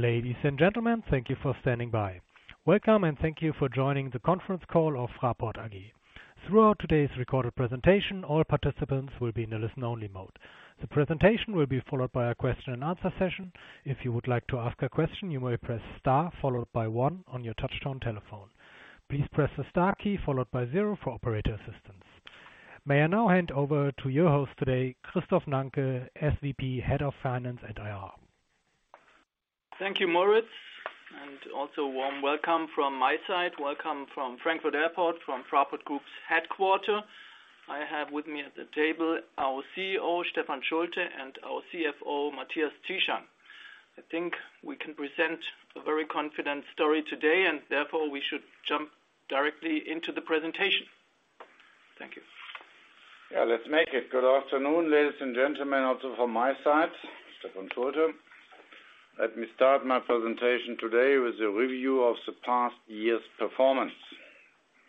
Ladies and gentlemen, thank you for standing by. Welcome, thank you for joining the conference call of Fraport AG. Throughout today's recorded presentation, all participants will be in a listen-only mode. The presentation will be followed by a question and answer session. If you would like to ask a question, you may press star followed by one on your touchtone telephone. Please press the star key followed by zero for operator assistance. May I now hand over to your host today, Christoph Nanke, SVP Head of Finance at IR. Thank you, Moritz, and also warm welcome from my side. Welcome from Frankfurt Airport, from Fraport Group's headquarter. I have with me at the table our CEO, Stefan Schulte, and our CFO, Matthias Zieschang. I think we can present a very confident story today, and therefore, we should jump directly into the presentation. Thank you. Good afternoon, ladies and gentlemen, also from my side, Stefan Schulte. Let me start my presentation today with a review of the past year's performance.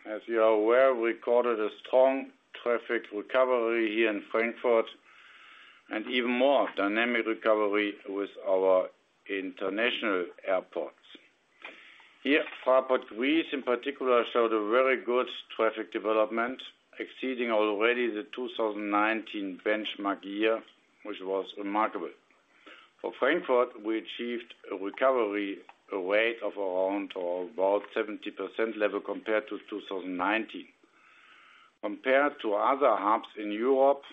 As you are aware, we recorded a strong traffic recovery here in Frankfurt and even more dynamic recovery with our international airports. Here, Fraport Greece, in particular, showed a very good traffic development, exceeding already the 2019 benchmark year, which was remarkable. For Frankfurt, we achieved a recovery rate of around or about 70% level compared to 2019. Compared to other hubs in Europe,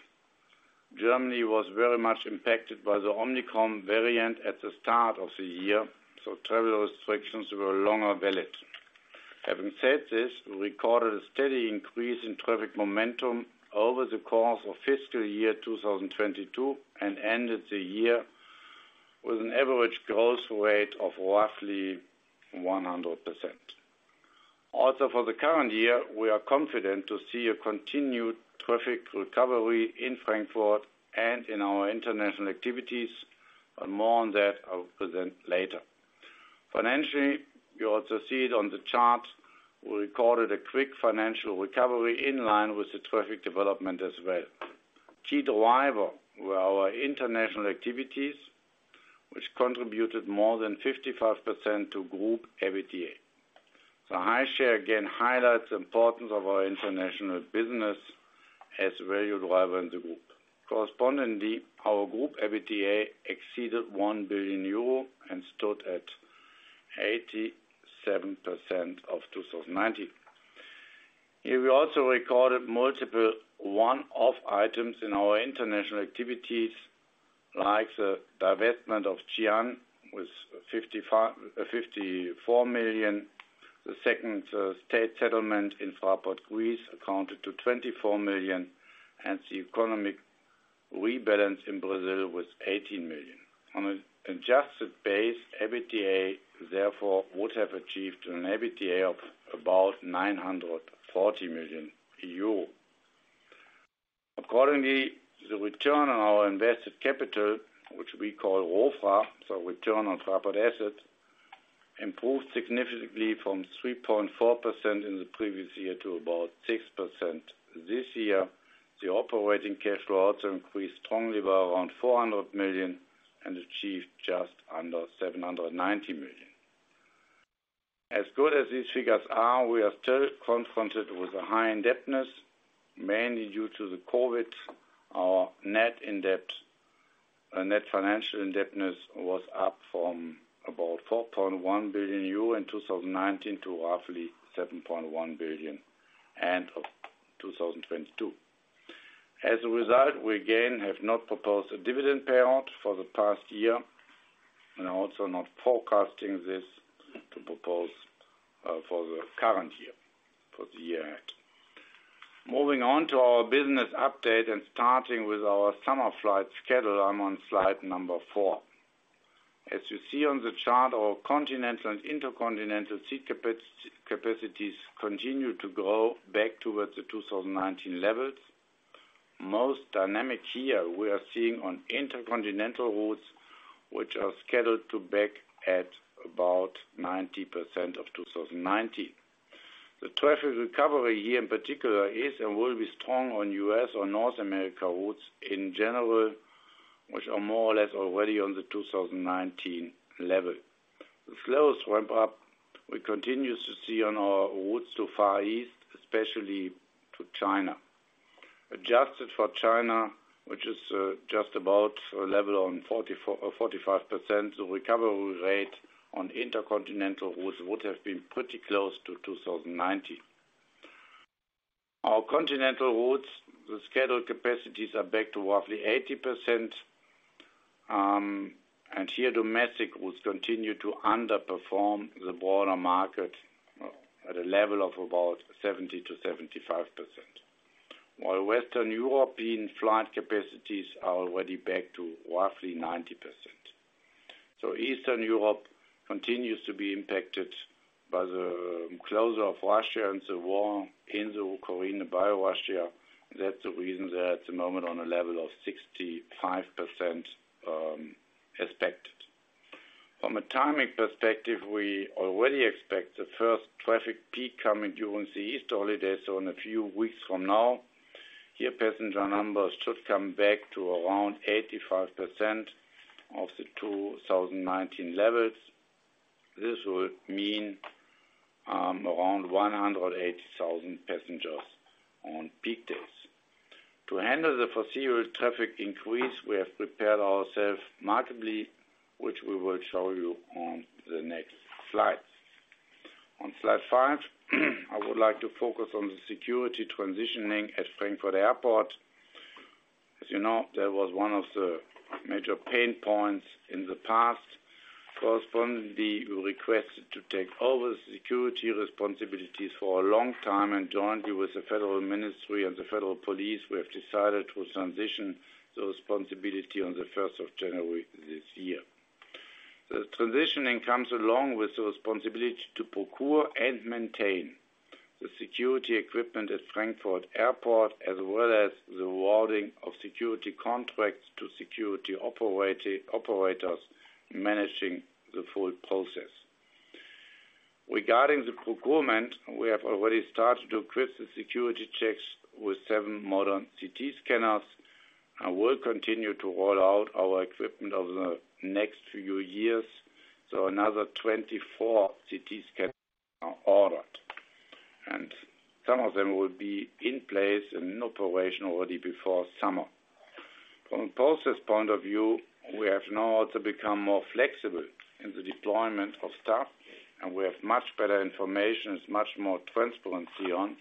Germany was very much impacted by the Omicron variant at the start of the year. Travel restrictions were longer valid. Having said this, we recorded a steady increase in traffic momentum over the course of fiscal year 2022, and ended the year with an average growth rate of roughly 100%. For the current year, we are confident to see a continued traffic recovery in Frankfurt and in our international activities, and more on that I'll present later. Financially, you also see it on the chart, we recorded a quick financial recovery in line with the traffic development as well. Key driver were our international activities, which contributed more than 55% to group EBITDA. The high share, again, highlights the importance of our international business as a value driver in the group. Correspondingly, our group EBITDA exceeded 1 billion euro and stood at 87% of 2019. Here, we also recorded multiple one-off items in our international activities, like the divestment of Xi'an with 54 million. The second state settlement in Fraport Greece accounted to 24 million, the economic rebalance in Brazil was 18 million. On an adjusted base, EBITDA, therefore, would have achieved an EBITDA of about 940 million euro. The return on our invested capital, which we call ROFRA, so return on Fraport assets, improved significantly from 3.4% in the previous year to about 6% this year. The operating cash flow also increased strongly by around 400 million and achieved just under 790 million. As good as these figures are, we are still confronted with a high indebtedness, mainly due to the COVID. Our net financial indebtedness was up from about 4.1 billion euro in 2019 to roughly 7.1 billion end of 2022. As a result, we again have not proposed a dividend payout for the past year and are also not forecasting this to propose for the current year, for the year ahead. Moving on to our business update and starting with our summer flight schedule, I'm on slide number four. As you see on the chart, our continental and intercontinental seat capacities continue to grow back towards the 2019 levels. Most dynamic here we are seeing on intercontinental routes, which are scheduled to back at about 90% of 2019. The traffic recovery here, in particular, is and will be strong on U.S. or North America routes in general, which are more or less already on the 2019 level. The slowest ramp up we continue to see on our routes to Far East, especially to China. Adjusted for China, which is just about a level on 40-45%, the recovery rate on intercontinental routes would have been pretty close to 2019. Our continental routes, the scheduled capacities are back to roughly 80%. Here domestic routes continue to underperform the broader market at a level of about 70-75%. Western European flight capacities are already back to roughly 90%. Eastern Europe continues to be impacted by the closure of Russia and the war in Ukraine by Russia. That's the reason they're at the moment on a level of 65% expected. From a timing perspective, we already expect the first traffic peak coming during the Easter holidays, so in a few weeks from now. Here passenger numbers should come back to around 85% of the 2019 levels. This will mean around 180,000 passengers on peak days. To handle the foreseeable traffic increase, we have prepared ourselves markedly, which we will show you on the next slides. On slide five, I would like to focus on the security transitioning at Frankfurt Airport. As you know, that was one of the major pain points in the past. Correspondingly, we requested to take over security responsibilities for a long time and jointly with the Federal Ministry and the Federal Police, we have decided to transition the responsibility on the 1st of January this year. The transitioning comes along with the responsibility to procure and maintain the security equipment at Frankfurt Airport, as well as the awarding of security contracts to security operators managing the full process. Regarding the procurement, we have already started to equip the security checks with seven modern CT scanners and will continue to roll out our equipment over the next few years. Another 24 CT scanner are ordered, and some of them will be in place and in operation already before summer. From a process point of view, we have now also become more flexible in the deployment of staff, and we have much better information. There's much more transparency on,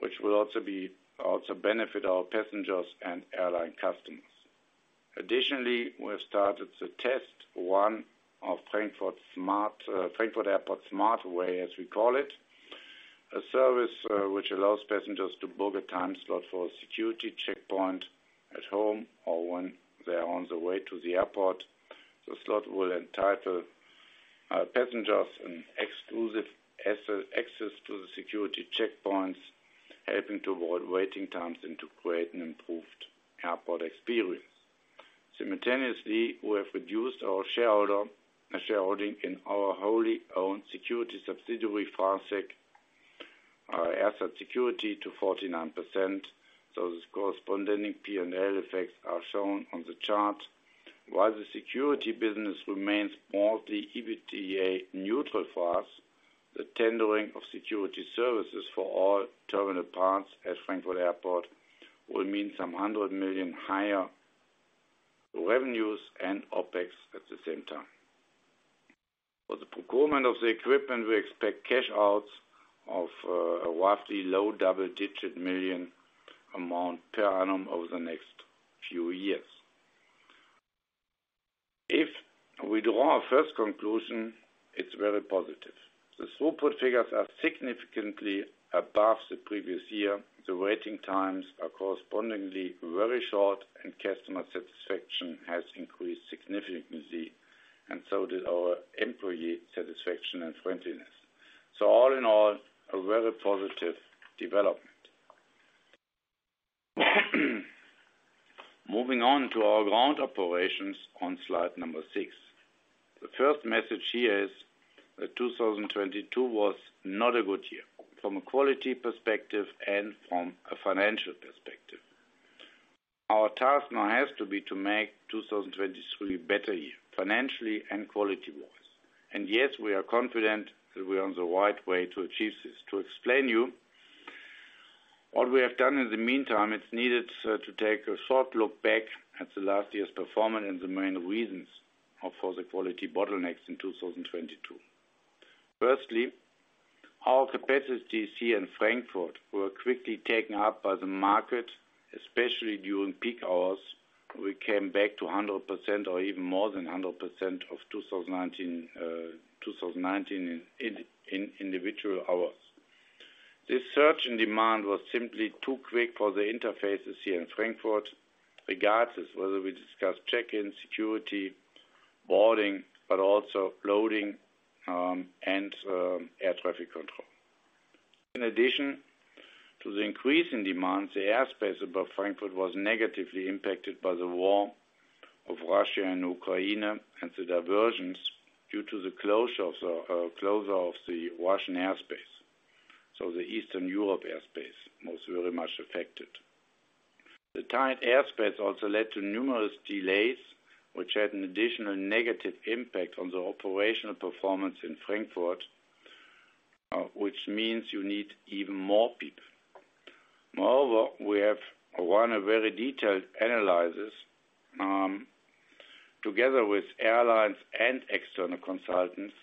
which will also benefit our passengers and airline customers. Additionally, we have started to test one of Frankfurt Airport Smart Way, as we call it. A service, which allows passengers to book a time slot for a security checkpoint at home or when they are on the way to the airport. The slot will entitle passengers an exclusive access to the security checkpoints, helping to avoid waiting times and to create an improved airport experience. Simultaneously, we have reduced our shareholder shareholding in our wholly owned security subsidiary, Fraport asset security, to 49%. The corresponding P&L effects are shown on the chart. While the security business remains more the EBITDA neutral for us, the tendering of security services for all terminal parts at Frankfurt Airport will mean some 100 million higher revenues and OpEx at the same time. For the procurement of the equipment, we expect cash outs of roughly low double-digit million amount per annum over the next few years. If we draw our first conclusion, it's very positive. The throughput figures are significantly above the previous year. The waiting times are correspondingly very short, and customer satisfaction has increased significantly, and so did our employee satisfaction and friendliness. All in all, a very positive development. Moving on to our ground operations on slide number six. The first message here is that 2022 was not a good year from a quality perspective and from a financial perspective. Our task now has to be to make 2023 a better year, financially and quality-wise. Yes, we are confident that we are on the right way to achieve this. To explain you what we have done in the meantime, it's needed to take a short look back at the last year's performance and the main reasons of, for the quality bottlenecks in 2022. Firstly, our capacities here in Frankfurt were quickly taken up by the market, especially during peak hours. We came back to 100% or even more than 100% of 2019 in individual hours. This surge in demand was simply too quick for the interfaces here in Frankfurt, regardless whether we discuss check-in, security, boarding, but also loading and air traffic control. In addition to the increase in demand, the airspace above Frankfurt was negatively impacted by the war of Russia and Ukraine and the diversions due to the closure of the Russian airspace. The Eastern Europe airspace was very much affected. The tight airspace also led to numerous delays, which had an additional negative impact on the operational performance in Frankfurt, which means you need even more people. We have run a very detailed analysis together with airlines and external consultants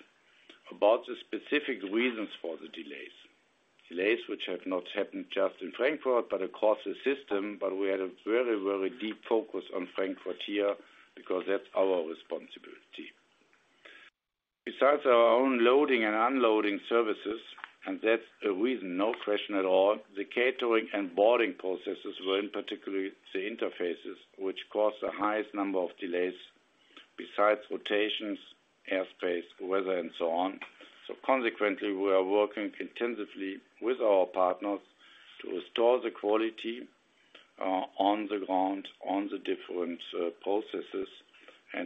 about the specific reasons for the delays. Delays which have not happened just in Frankfurt, but across the system. We had a very deep focus on Frankfurt here because that's our responsibility. Besides our own loading and unloading services, and that's a reason, no question at all, the catering and boarding processes were in particularly the interfaces which caused the highest number of delays, besides rotations, airspace, weather and so on. Consequently, we are working intensively with our partners to restore the quality on the ground, on the different processes.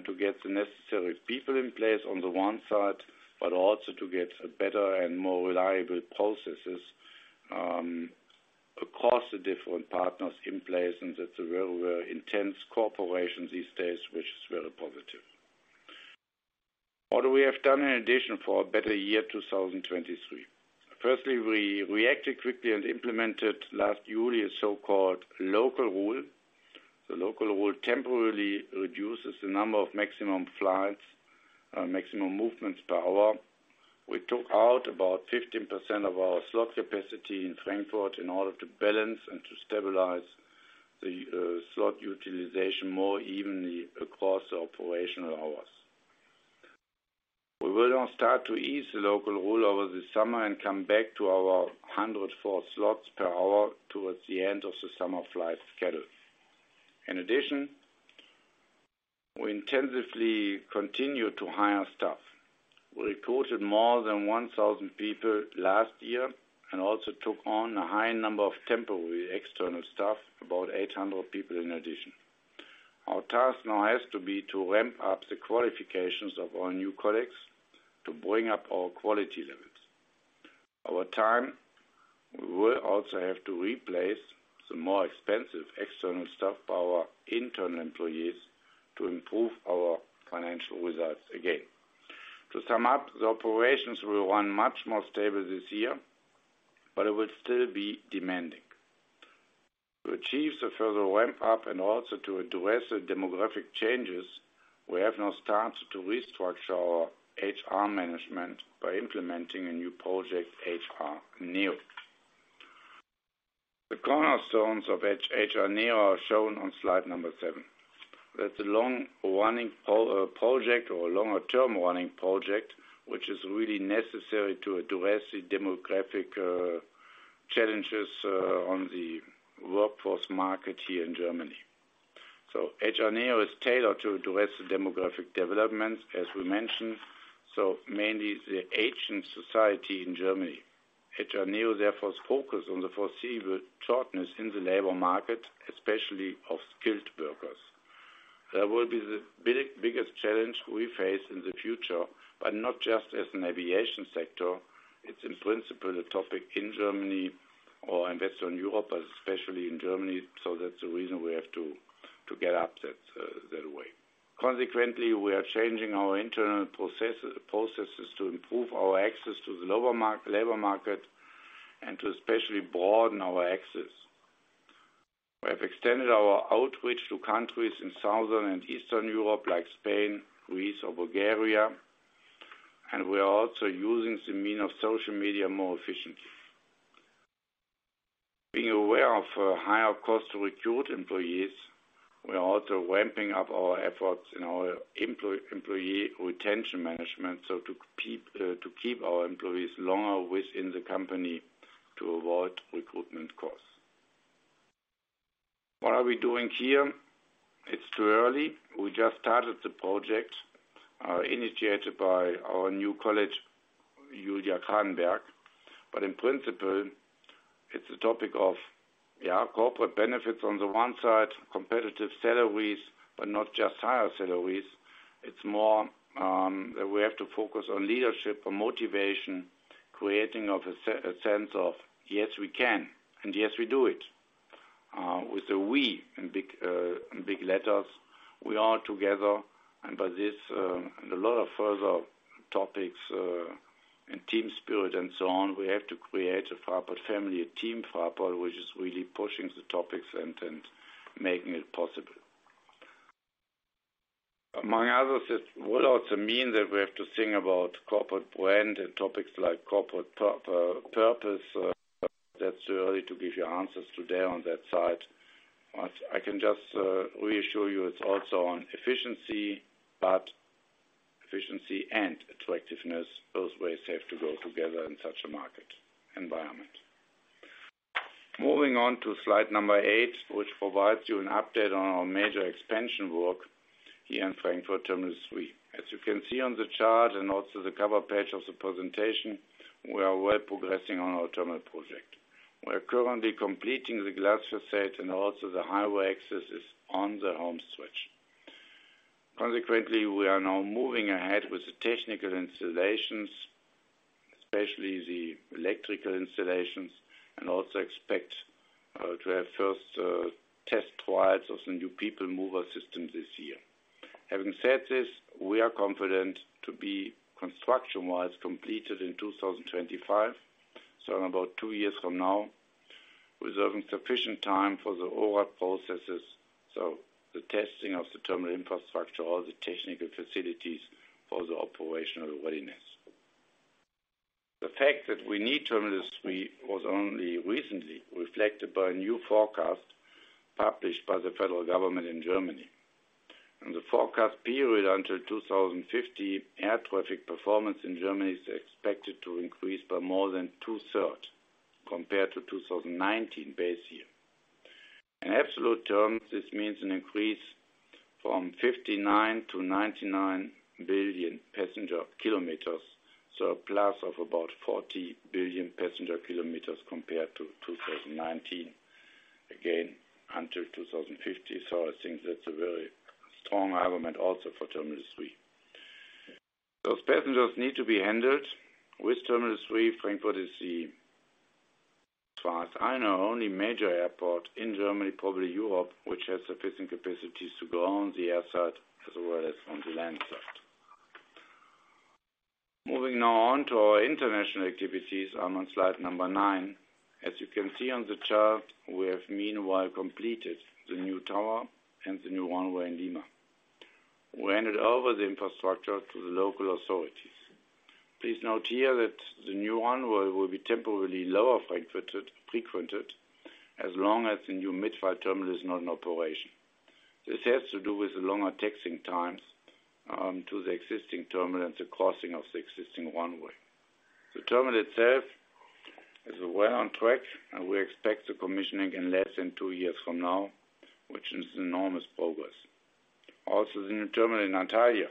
To get the necessary people in place on the one side, but also to get better and more reliable processes across the different partners in place. That's a very, very intense cooperation these days, which is very positive. What we have done in addition for a better year, 2023. Firstly, we reacted quickly and implemented last July, a so-called Local Rule. The Local Rule temporarily reduces the number of maximum flights, maximum movements per hour. We took out about 15% of our slot capacity in Frankfurt in order to balance and to stabilize the slot utilization more evenly across the operational hours. We will now start to ease the Local Rule over the summer and come back to our 104 slots per hour towards the end of the summer flight schedule. We intensively continue to hire staff. We recruited more than 1,000 people last year and also took on a high number of temporary external staff, about 800 people in addition. Our task now has to be to ramp up the qualifications of our new colleagues to bring up our quality levels. Over time, we will also have to replace the more expensive external staff by our internal employees to improve our financial results again. The operations will run much more stable this year, but it will still be demanding. To achieve the further ramp up and also to address the demographic changes, we have now started to restructure our HR management by implementing a new project, HRneo. The cornerstones of HRneo are shown on slide number seven. That's a long running project or longer-term running project, which is really necessary to address the demographic challenges on the workforce market here in Germany. HR is tailored to address the demographic developments, as we mentioned, so mainly the aging society in Germany. HRneo, therefore, is focused on the foreseeable shortness in the labor market, especially of skilled workers. That will be the biggest challenge we face in the future, but not just as an aviation sector. It's in principle a topic in Germany or in Western Europe, but especially in Germany. That's the reason we have to get up that way. Consequently, we are changing our internal processes to improve our access to the lower labor market and to especially broaden our access. We have extended our outreach to countries in Southern and Eastern Europe like Spain, Greece, or Bulgaria, and we are also using the means of social media more efficiently. Being aware of higher cost to recruit employees, we are also ramping up our efforts in our employee retention management, to keep our employees longer within the company to avoid recruitment costs. What are we doing here? It's too early. We just started the project, initiated by our new colleague, Julia Kranenberg. In principle, it's a topic of corporate benefits on the one side, competitive salaries, but not just higher salaries. It's more, that we have to focus on leadership and motivation, creating of a sense of, yes, we can and yes, we do it, with a we in big letters. We are together and by this, and a lot of further topics, and team spirit and so on, we have to create a Fraport family, a Team Fraport, which is really pushing the topics and making it possible. Among others, it will also mean that we have to think about corporate brand and topics like corporate purpose. That's early to give you answers today on that side. I can just reassure you it's also on efficiency, but efficiency and attractiveness, both ways have to go together in such a market environment. Moving on to slide number eight, which provides you an update on our major expansion work here in Frankfurt Terminal 3. As you can see on the chart and also the cover page of the presentation, we are well progressing on our terminal project. We are currently completing the glass façade and also the highway access is on the home stretch. Consequently, we are now moving ahead with the technical installations, especially the electrical installations, and also expect to have first test flights of the new people mover system this year. Having said this, we are confident to be, construction-wise, completed in 2025, so in about two years from now, reserving sufficient time for the overall processes, so the testing of the terminal infrastructure, all the technical facilities for the operational readiness. The fact that we need Terminal 3 was only recently reflected by a new forecast published by the federal government in Germany. In the forecast period until 2050, air traffic performance in Germany is expected to increase by more than 2/3 compared to 2019 base year. In absolute terms, this means an increase from 59 to 99 billion passenger kilometers, so a plus of about 40 billion passenger kilometers compared to 2019. Again, until 2050. I think that's a very strong argument also for Terminal 3. Those passengers need to be handled. With Terminal 3, Frankfurt is the, as far as I know, only major airport in Germany, probably Europe, which has sufficient capacities to go on the airside as well as on the landside. Moving now on to our international activities. I'm on slide nine. As you can see on the chart, we have meanwhile completed the new tower and the new runway in Lima. We handed over the infrastructure to the local authorities. Please note here that the new runway will be temporarily lower frequented, as long as the new midfield terminal is not in operation. This has to do with the longer taxiing times to the existing terminal and the crossing of the existing runway. The terminal itself is well on track and we expect the commissioning in less than two years from now, which is enormous progress. The new terminal in Antalya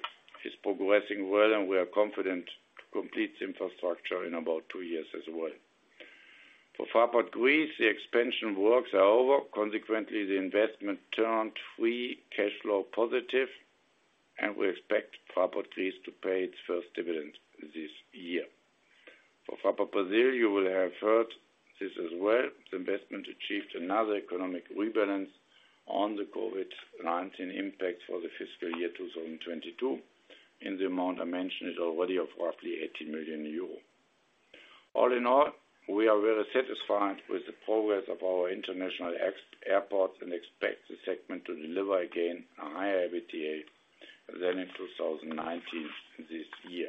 is progressing well and we are confident to complete the infrastructure in about two years as well. Fraport Greece, the expansion works are over. Consequently, the investment turned free cash flow positive and we expect Fraport Greece to pay its first dividend this year. Fraport Brasil, you will have heard this as well. The investment achieved another economic rebalance on the COVID-19 impact for the fiscal year 2022, in the amount I mentioned already of roughly 80 million euro. We are very satisfied with the progress of our international ex-airports and expect the segment to deliver, again, a higher EBITDA than in 2019 this year.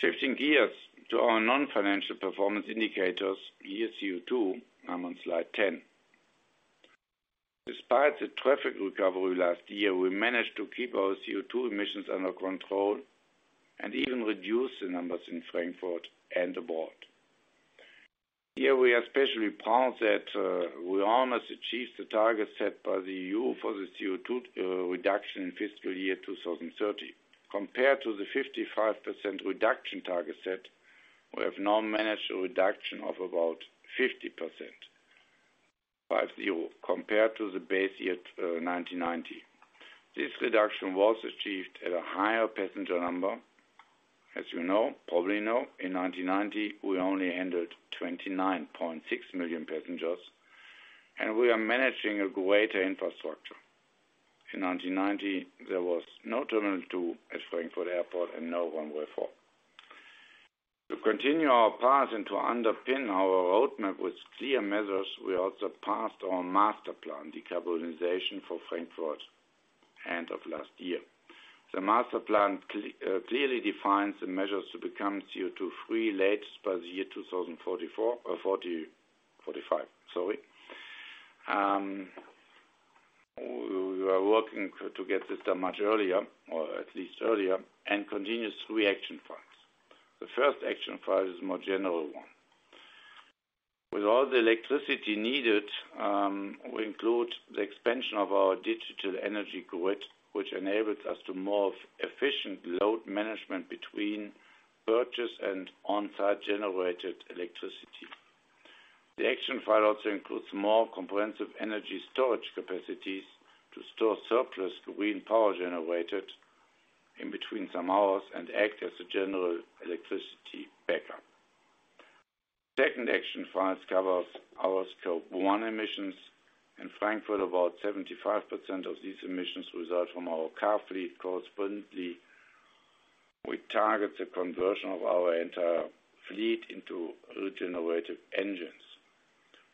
Shifting gears to our non-financial performance indicators, here CO2. I'm on slide 10. Despite the traffic recovery last year, we managed to keep our CO2 emissions under control and even reduce the numbers in Frankfurt and abroad. Here, we are especially proud that we almost achieved the target set by the EU for the CO2 reduction in fiscal year 2030. Compared to the 55% reduction target set, we have now managed a reduction of about 50% compared to the base year, 1990. This reduction was achieved at a higher passenger number. As you know, probably know, in 1990, we only handled 29.6 million passengers, and we are managing a greater infrastructure. In 1990, there was no Terminal 2 at Frankfurt Airport and no Runway 4. To continue our path and to underpin our roadmap with clear measures, we also passed our Master Plan Decarbonization for Frankfurt end of last year. The Master Plan clearly defines the measures to become CO2 free latest by the year 2044 or 2045, sorry. We are working to get this done much earlier or at least earlier and continues three action files. The first action file is a more general one. With all the electricity needed, we include the expansion of our digital energy grid, which enables us to move efficient load management between purchase and on-site generated electricity. The action file also includes more comprehensive energy storage capacities to store surplus green power generated in between some hours and act as a general electricity backup. Second action files covers our Scope 1 emissions. In Frankfurt, about 75% of these emissions result from our car fleet. We target the conversion of our entire fleet into regenerative engines.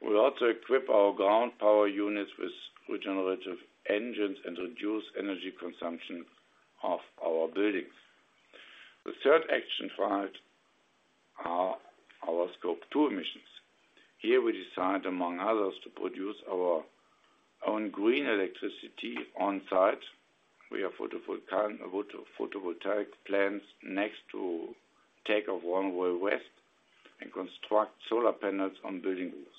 We also equip our ground power units with regenerative engines and reduce energy consumption of our buildings. The third action files are our Scope 2 emissions. We decide, among others, to produce our own green electricity on-site. We have photovoltaic plants next to take off runway west and construct solar panels on building roofs.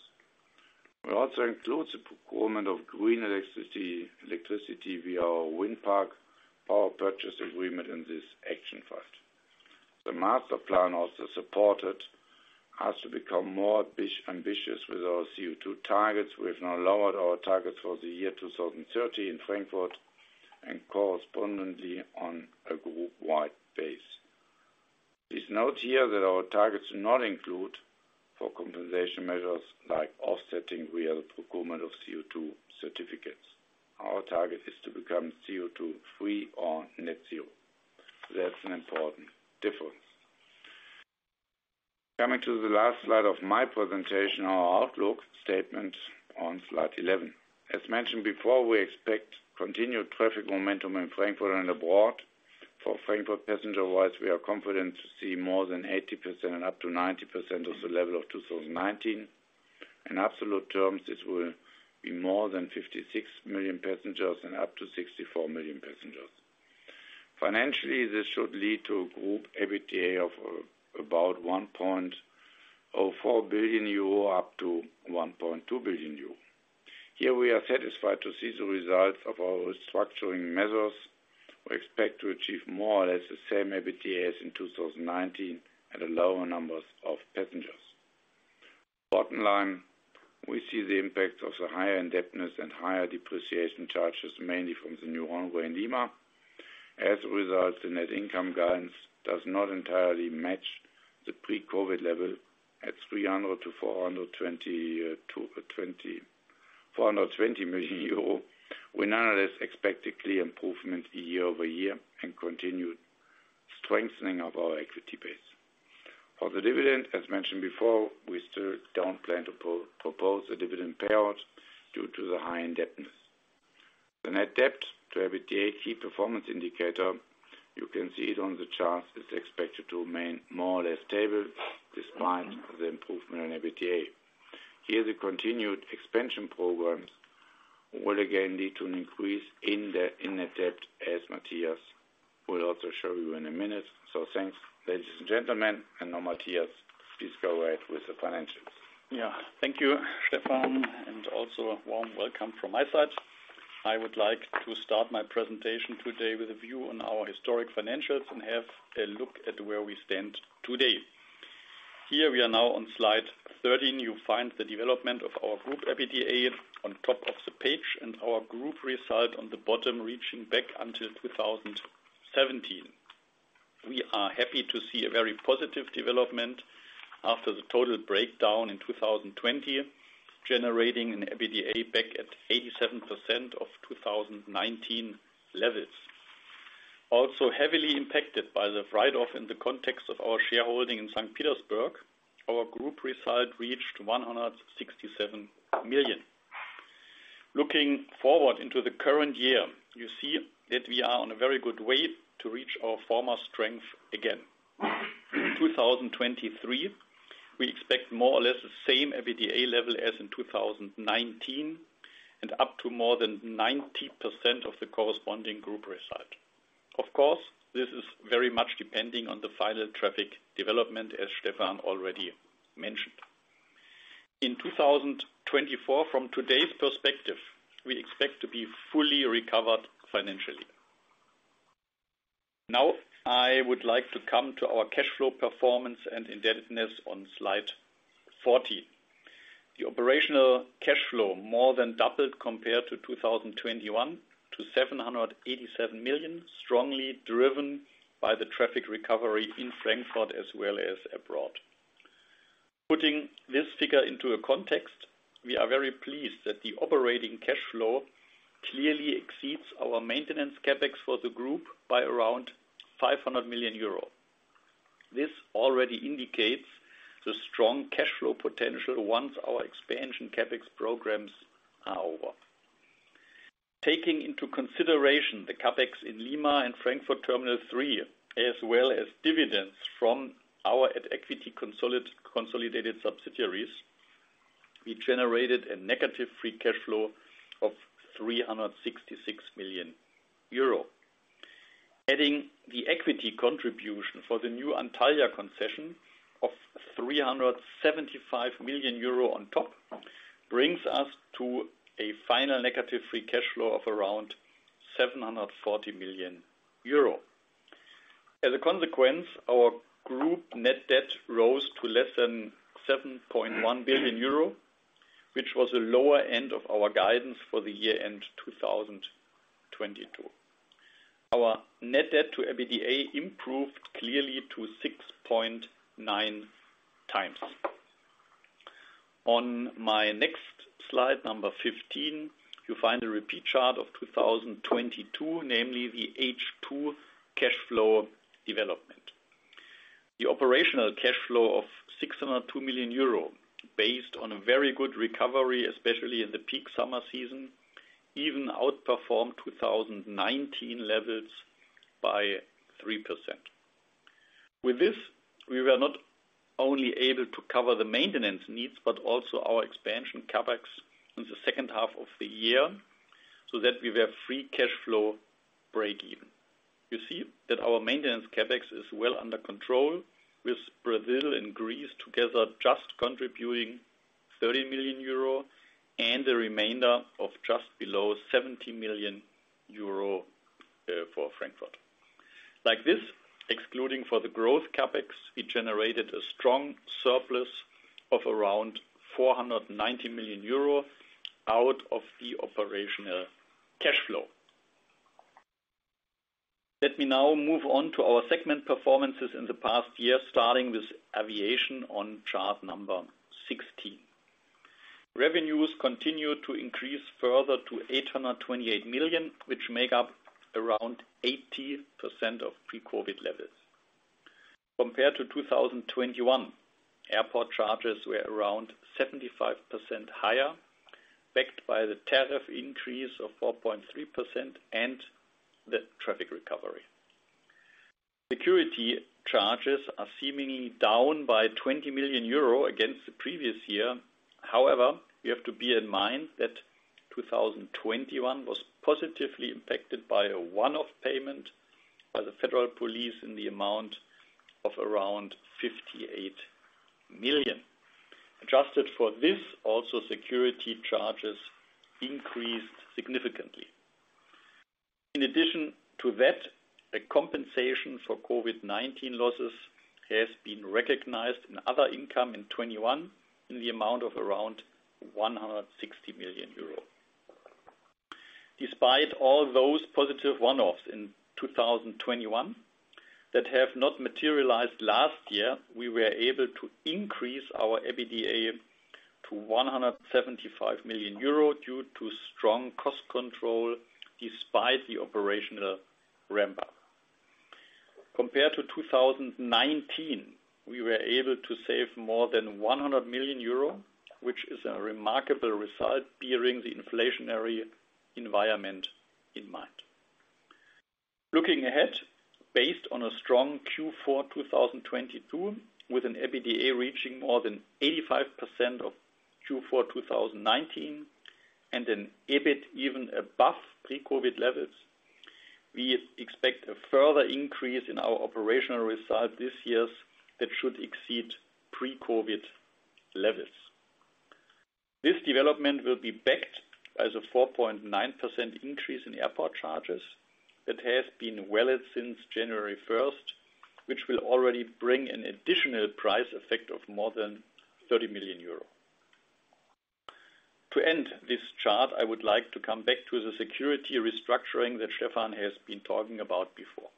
We also include the procurement of green electricity via our wind park, power purchase agreement in this action file. The Master Plan also supported us to become more ambitious with our CO2 targets. We have now lowered our targets for the year 2030 in Frankfurt and correspondingly on a group-wide base. Please note here that our targets do not include for compensation measures like offsetting real procurement of CO2 certificates. Our target is to become CO2 free or net zero. That's an important difference. Coming to the last slide of my presentation, our outlook statement on slide 11. As mentioned before, we expect continued traffic momentum in Frankfurt and abroad. For Frankfurt, passenger-wise, we are confident to see more than 80% and up to 90% of the level of 2019. In absolute terms, this will be more than 56 million passengers and up to 64 million passengers. Financially, this should lead to a group EBITDA of about 1.04 billion euro, up to 1.2 billion euro. Here we are satisfied to see the results of our restructuring measures. We expect to achieve more or less the same EBITDA as in 2019 at a lower numbers of passengers. Bottom line, we see the impact of the higher indebtedness and higher depreciation charges, mainly from the new runway in Lima. As a result, the net income guidance does not entirely match the pre-COVID level at 300-420 million euro. We nonetheless expect a clear improvement year-over-year and continued strengthening of our equity base. For the dividend, as mentioned before, we still don't plan to propose a dividend payout due to the high indebtedness. The net debt to EBITDA key performance indicator, you can see it on the chart, is expected to remain more or less stable despite the improvement in EBITDA. Here, the continued expansion programs will again lead to an increase in the net debt, as Matthias will also show you in a minute. Thanks, ladies and gentlemen, and now Matthias, please go ahead with the financials. Yeah. Thank you, Stefan, and also a warm welcome from my side. I would like to start my presentation today with a view on our historic financials and have a look at where we stand today. Here we are now on slide 13, you'll find the development of our group EBITDA on top of the page and our group result on the bottom, reaching back until 2017. We are happy to see a very positive development after the total breakdown in 2020, generating an EBITDA back at 87% of 2019 levels. Heavily impacted by the write-off in the context of our shareholding in St. Petersburg, our group result reached 167 million. Looking forward into the current year, you see that we are on a very good way to reach our former strength again. 2023, we expect more or less the same EBITDA level as in 2019 and up to more than 90% of the corresponding Group result. Of course, this is very much depending on the final traffic development, as Stefan already mentioned. In 2024, from today's perspective, we expect to be fully recovered financially. Now, I would like to come to our cash flow performance and indebtedness on slide 14. The operational cash flow more than doubled compared to 2021 to 787 million, strongly driven by the traffic recovery in Frankfurt as well as abroad. Putting this figure into a context, we are very pleased that the operating cash flow clearly exceeds our maintenance CapEx for the Group by around 500 million euro. This already indicates the strong cash flow potential once our expansion CapEx programs are over. Taking into consideration the CapEx in Lima and Frankfurt Terminal 3, as well as dividends from our at equity consolidated subsidiaries, we generated a negative free cash flow of 366 million euro. Adding the equity contribution for the new Antalya concession of 375 million euro on top brings us to a final negative free cash flow of around 740 million euro. Our group net debt rose to less than 7.1 billion euro, which was the lower end of our guidance for the year-end 2022. Our net debt to EBITDA improved clearly to 6.9 times. On my next slide, number 15, you'll find a repeat chart of 2022, namely the H2 cash flow development. The operational cash flow of 602 million euro based on a very good recovery, especially in the peak summer season, even outperformed 2019 levels by 3%. With this, we were not only able to cover the maintenance needs, but also our expansion CapEx in the second half of the year, so that we were free cash flow breakeven. You see that our maintenance CapEx is well under control with Brazil and Greece together just contributing 30 million euro and the remainder of just below 70 million euro for Frankfurt. Like this, excluding for the growth CapEx, we generated a strong surplus of around 490 million euro out of the operational cash flow. Let me now move on to our segment performances in the past year, starting with aviation on chart number 16. Revenues continued to increase further to 828 million, which make up around 80% of pre-COVID levels. Compared to 2021, airport charges were around 75% higher, backed by the tariff increase of 4.3% and the traffic recovery. Security charges are seemingly down by 20 million euro against the previous year. You have to bear in mind that 2021 was positively impacted by a one-off payment by the Federal Police in the amount of around 58 million. Adjusted for this, also security charges increased significantly. In addition to that, a compensation for COVID-19 losses has been recognized in other income in 2021 in the amount of around 160 million euro. Despite all those positive one-offs in 2021 that have not materialized last year, we were able to increase our EBITDA to 175 million euro due to strong cost control despite the operational ramp-up. Compared to 2019, we were able to save more than 100 million euro, which is a remarkable result bearing the inflationary environment in mind. Looking ahead, based on a strong Q4 2022, with an EBITDA reaching more than 85% of Q4 2019 and an EBIT even above pre-COVID levels, we expect a further increase in our operational results this year that should exceed pre-COVID levels. This development will be backed as a 4.9% increase in airport charges that has been valid since January first, which will already bring an additional price effect of more than 30 million euro. To end this chart, I would like to come back to the security restructuring that Stefan has been talking about before.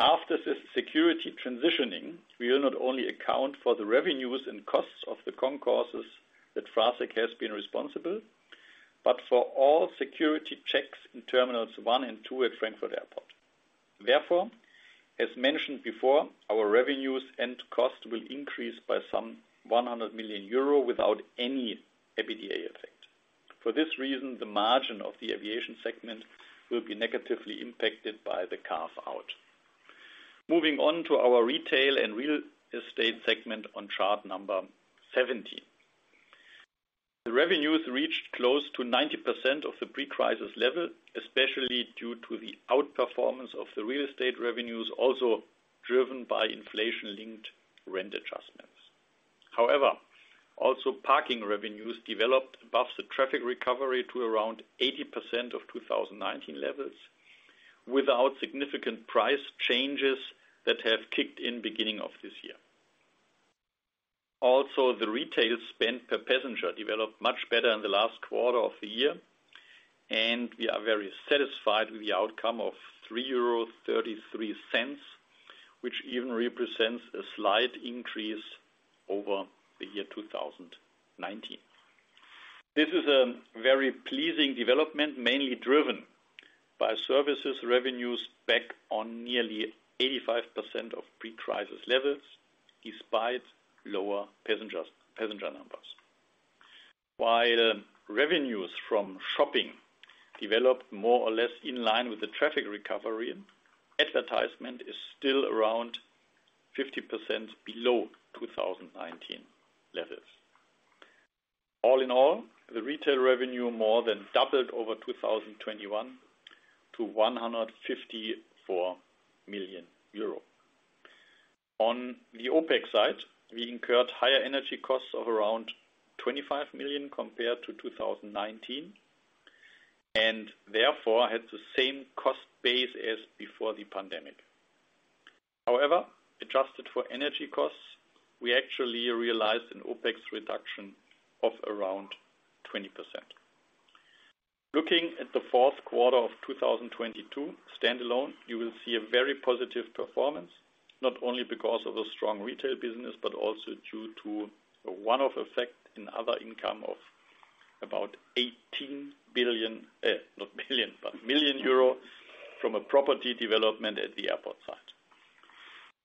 After the security transitioning, we will not only account for the revenues and costs of the concourses that FraSec has been responsible, but for all security checks in Terminals 1 and 2 at Frankfurt Airport. Therefore, as mentioned before, our revenues and costs will increase by some 100 million euro without any EBITDA effect. For this reason, the margin of the aviation segment will be negatively impacted by the carve-out. Moving on to our retail and real estate segment on chart number 17. The revenues reached close to 90% of the pre-crisis level, especially due to the outperformance of the real estate revenues, also driven by inflation-linked rent adjustments. Parking revenues developed above the traffic recovery to around 80% of 2019 levels without significant price changes that have kicked in beginning of this year. The retail spend per passenger developed much better in the last quarter of the year, and we are very satisfied with the outcome of 3.33 euros, which even represents a slight increase over the year 2019. This is a very pleasing development, mainly driven by services revenues back on nearly 85% of pre-crisis levels despite lower passengers, passenger numbers. While revenues from shopping developed more or less in line with the traffic recovery, advertisement is still around 50% below 2019 levels. All in all, the retail revenue more than doubled over 2021 to 154 million euro. On the OpEx side, we incurred higher energy costs of around 25 million compared to 2019, therefore, had the same cost base as before the pandemic. However, adjusted for energy costs, we actually realized an OpEx reduction of around 20%. Looking at the fourth quarter of 2022 standalone, you will see a very positive performance, not only because of the strong retail business, but also due to a one-off effect in other income of about 18 million euro from a property development at the airport site.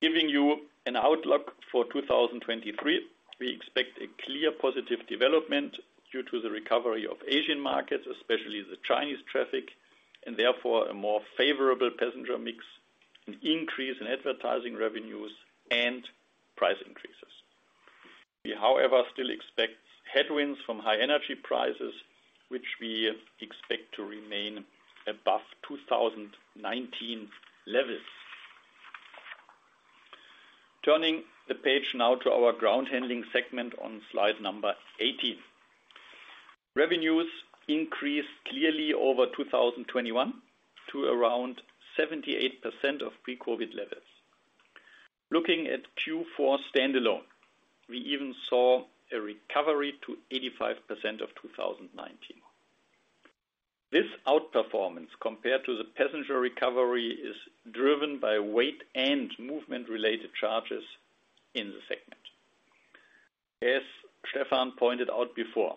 Giving you an outlook for 2023, we expect a clear positive development due to the recovery of Asian markets, especially the Chinese traffic and therefore a more favorable passenger mix, an increase in advertising revenues and price increases. We, however, still expect headwinds from high energy prices, which we expect to remain above 2019 levels. Turning the page now to our ground handling segment on slide 18. Revenues increased clearly over 2021 to around 78% of pre-COVID levels. Looking at Q4 standalone, we even saw a recovery to 85% of 2019. This outperformance compared to the passenger recovery is driven by weight and movement-related charges in the segment. As Stefan pointed out before,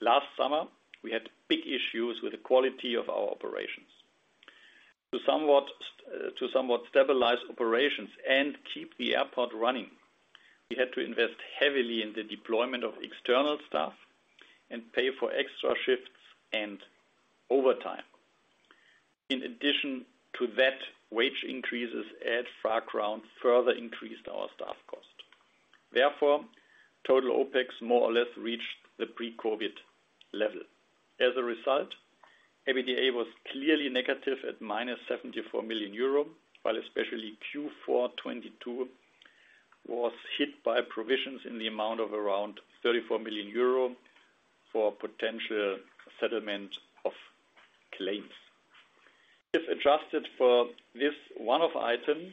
last summer, we had big issues with the quality of our operations. To somewhat stabilize operations and keep the airport running, we had to invest heavily in the deployment of external staff and pay for extra shifts and overtime. In addition to that, wage increases at FraGround further increased our staff cost. Total OpEx more or less reached the pre-COVID level. As a result, EBITDA was clearly negative at minus 74 million euro, while especially Q4 2022 was hit by provisions in the amount of around 34 million euro for potential settlement of claims. If adjusted for this one-off item,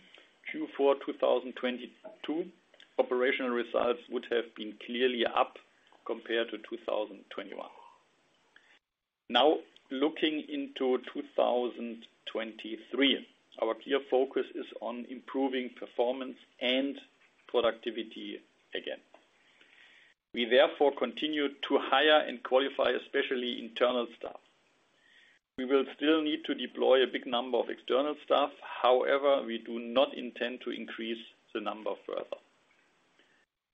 Q4 2022 operational results would have been clearly up compared to 2021. Looking into 2023, our clear focus is on improving performance and productivity again. We continue to hire and qualify, especially internal staff. We will still need to deploy a big number of external staff. We do not intend to increase the number further.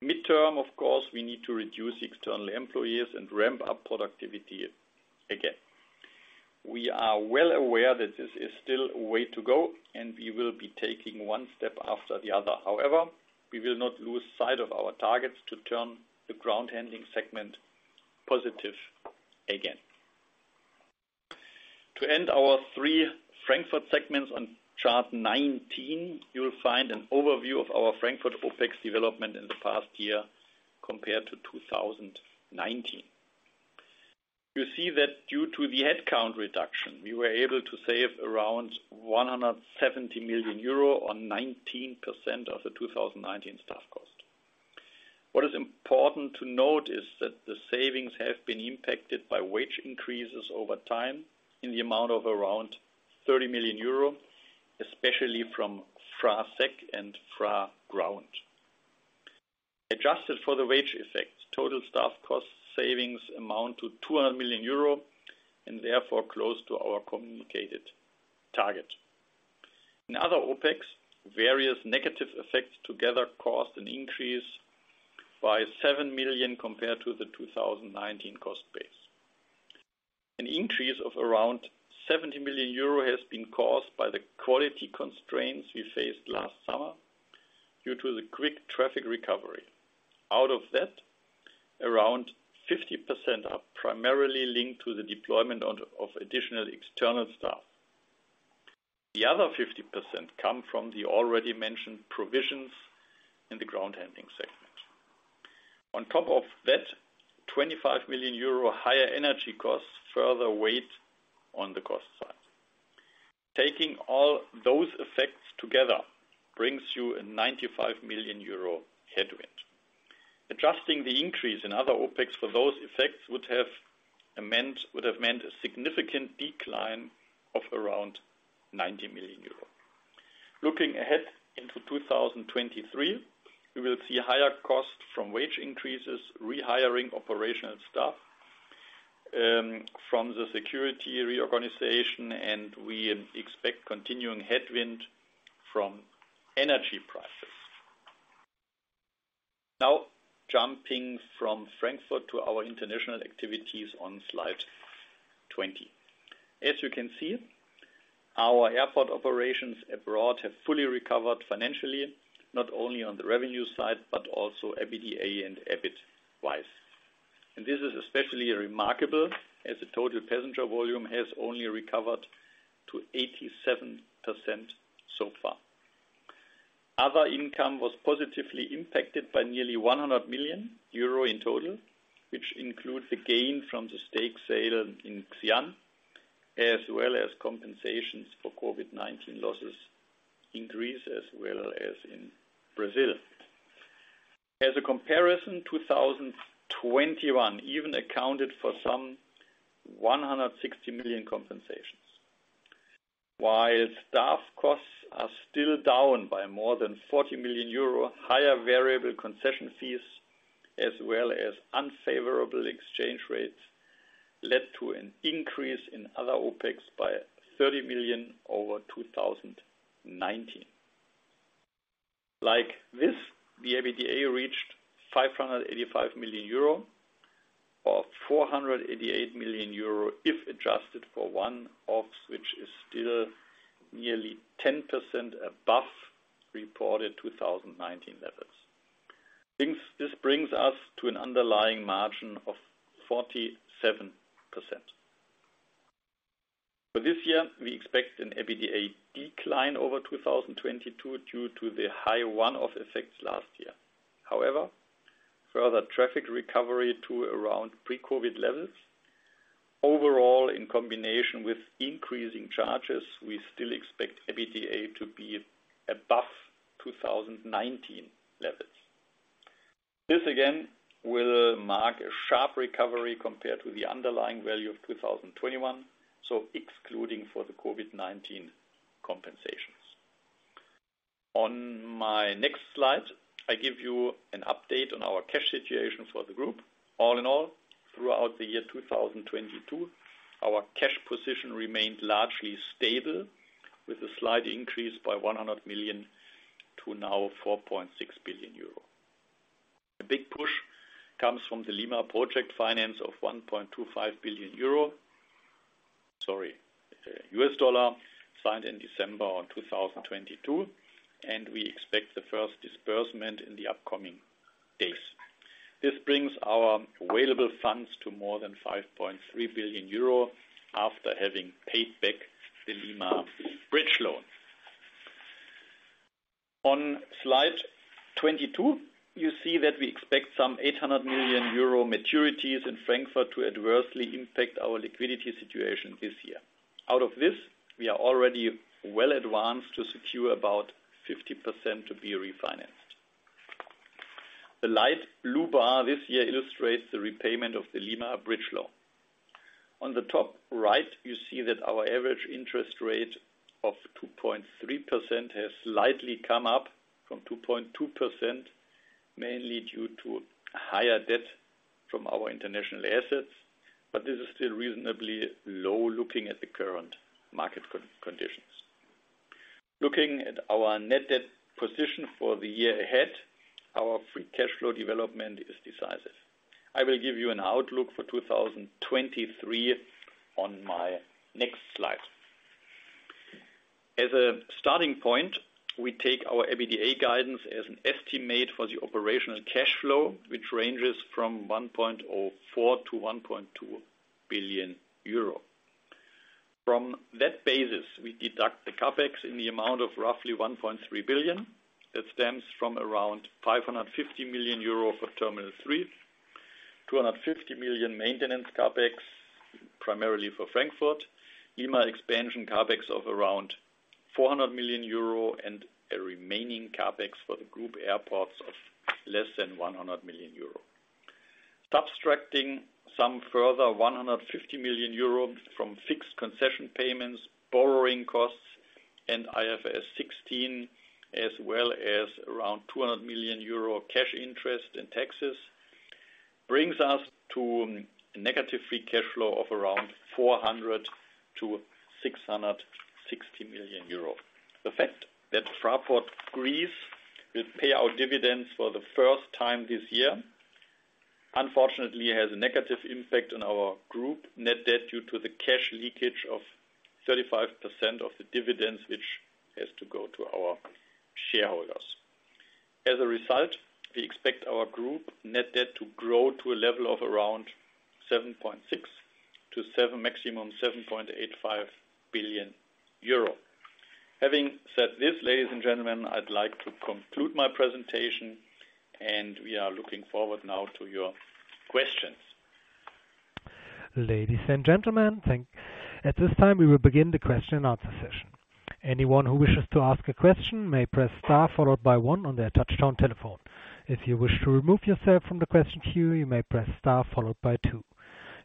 Midterm, of course, we need to reduce external employees and ramp up productivity again. We are well aware that this is still a way to go, and we will be taking one step after the other. We will not lose sight of our targets to turn the ground handling segment positive again. To end our three Frankfurt segments on chart 19, you will find an overview of our Frankfurt OpEx development in the past year compared to 2019. You see that due to the headcount reduction, we were able to save around 170 million euro on 19% of the 2019 staff cost. What is important to note is that the savings have been impacted by wage increases over time in the amount of around 30 million euro, especially from FraSec and FraGround. Adjusted for the wage effects, total staff cost savings amount to 200 million euro and therefore close to our communicated target. In other OpEx, various negative effects together caused an increase by 7 million compared to the 2019 cost base. An increase of around 70 million euro has been caused by the quality constraints we faced last summer due to the quick traffic recovery. Out of that, around 50% are primarily linked to the deployment of additional external staff. The other 50% come from the already mentioned provisions in the ground handling segment. On top of that, 25 million euro higher energy costs further weighed on the cost side. Taking all those effects together brings you a 95 million euro headwind. Adjusting the increase in other OpEx for those effects would have meant a significant decline of around 90 million euros. Looking ahead into 2023, we will see higher costs from wage increases, rehiring operational staff, from the security reorganization. We expect continuing headwind from energy prices. Jumping from Frankfurt to our international activities on slide 20. As you can see, our airport operations abroad have fully recovered financially, not only on the revenue side, but also EBITDA and EBIT wise. This is especially remarkable as the total passenger volume has only recovered to 87% so far. Other income was positively impacted by nearly 100 million euro in total, which include the gain from the stake sale in Xi'an, as well as compensations for COVID-19 losses increase as well as in Brazil. As a comparison, 2021 even accounted for some 160 million compensations. While staff costs are still down by more than 40 million euro, higher variable concession fees as well as unfavorable exchange rates led to an increase in other OpEx by 30 million over 2019. Like this, the EBITDA reached 585 million euro or 488 million euro if adjusted for one-offs, which is still nearly 10% above reported 2019 levels. This brings us to an underlying margin of 47%. For this year, we expect an EBITDA decline over 2022 due to the high one-off effects last year. Further traffic recovery to around pre-COVID levels. Overall, in combination with increasing charges, we still expect EBITDA to be above 2019 levels. This again will mark a sharp recovery compared to the underlying value of 2021, so excluding for the COVID-19 compensations. On my next slide, I give you an update on our cash situation for the group. All in all, throughout the year 2022, our cash position remained largely stable with a slight increase by 100 million to now 4.6 billion euro. A big push comes from the Lima project finance of USD 1.25 billion signed in December 2022. We expect the first disbursement in the upcoming days. This brings our available funds to more than 5.3 billion euro after having paid back the Lima bridge loan. On slide 22, you see that we expect some 800 million euro maturities in Frankfurt to adversely impact our liquidity situation this year. Out of this, we are already well advanced to secure about 50% to be refinanced. The light blue bar this year illustrates the repayment of the Lima bridge loan. On the top right, you see that our average interest rate of 2.3% has slightly come up from 2.2%, mainly due to higher debt from our international assets. This is still reasonably low looking at the current market conditions. Looking at our net debt position for the year ahead, our free cash flow development is decisive. I will give you an outlook for 2023 on my next slide. As a starting point, we take our EBITDA guidance as an estimate for the operational cash flow, which ranges from 1.4 billion-1.2 billion euro. From that basis, we deduct the CapEx in the amount of roughly 1.3 billion. That stems from around 550 million euro for Terminal 3, 250 million maintenance CapEx, primarily for Frankfurt, Lima expansion CapEx of around 400 million euro, and a remaining CapEx for the group airports of less than 100 million euro. Subtracting some further 150 million euro from fixed concession payments, borrowing costs and IFRS 16 as well as around 200 million euro cash interest in taxes brings us to negative free cash flow of around 400 million-660 million euro. The fact that Fraport Greece will pay out dividends for the first time this year, unfortunately has a negative impact on our group net debt due to the cash leakage of 35% of the dividends, which has to go to our shareholders. We expect our group net debt to grow to a level of around 7.6 billion-7 billion, maximum 7.85 billion euro. Having said this, ladies and gentlemen, I'd like to conclude my presentation, we are looking forward now to your questions. Ladies and gentlemen, at this time, we will begin the question and answer session. Anyone who wishes to ask a question may press star followed by one on their touch-tone telephone. If you wish to remove yourself from the question queue, you may press star followed by two.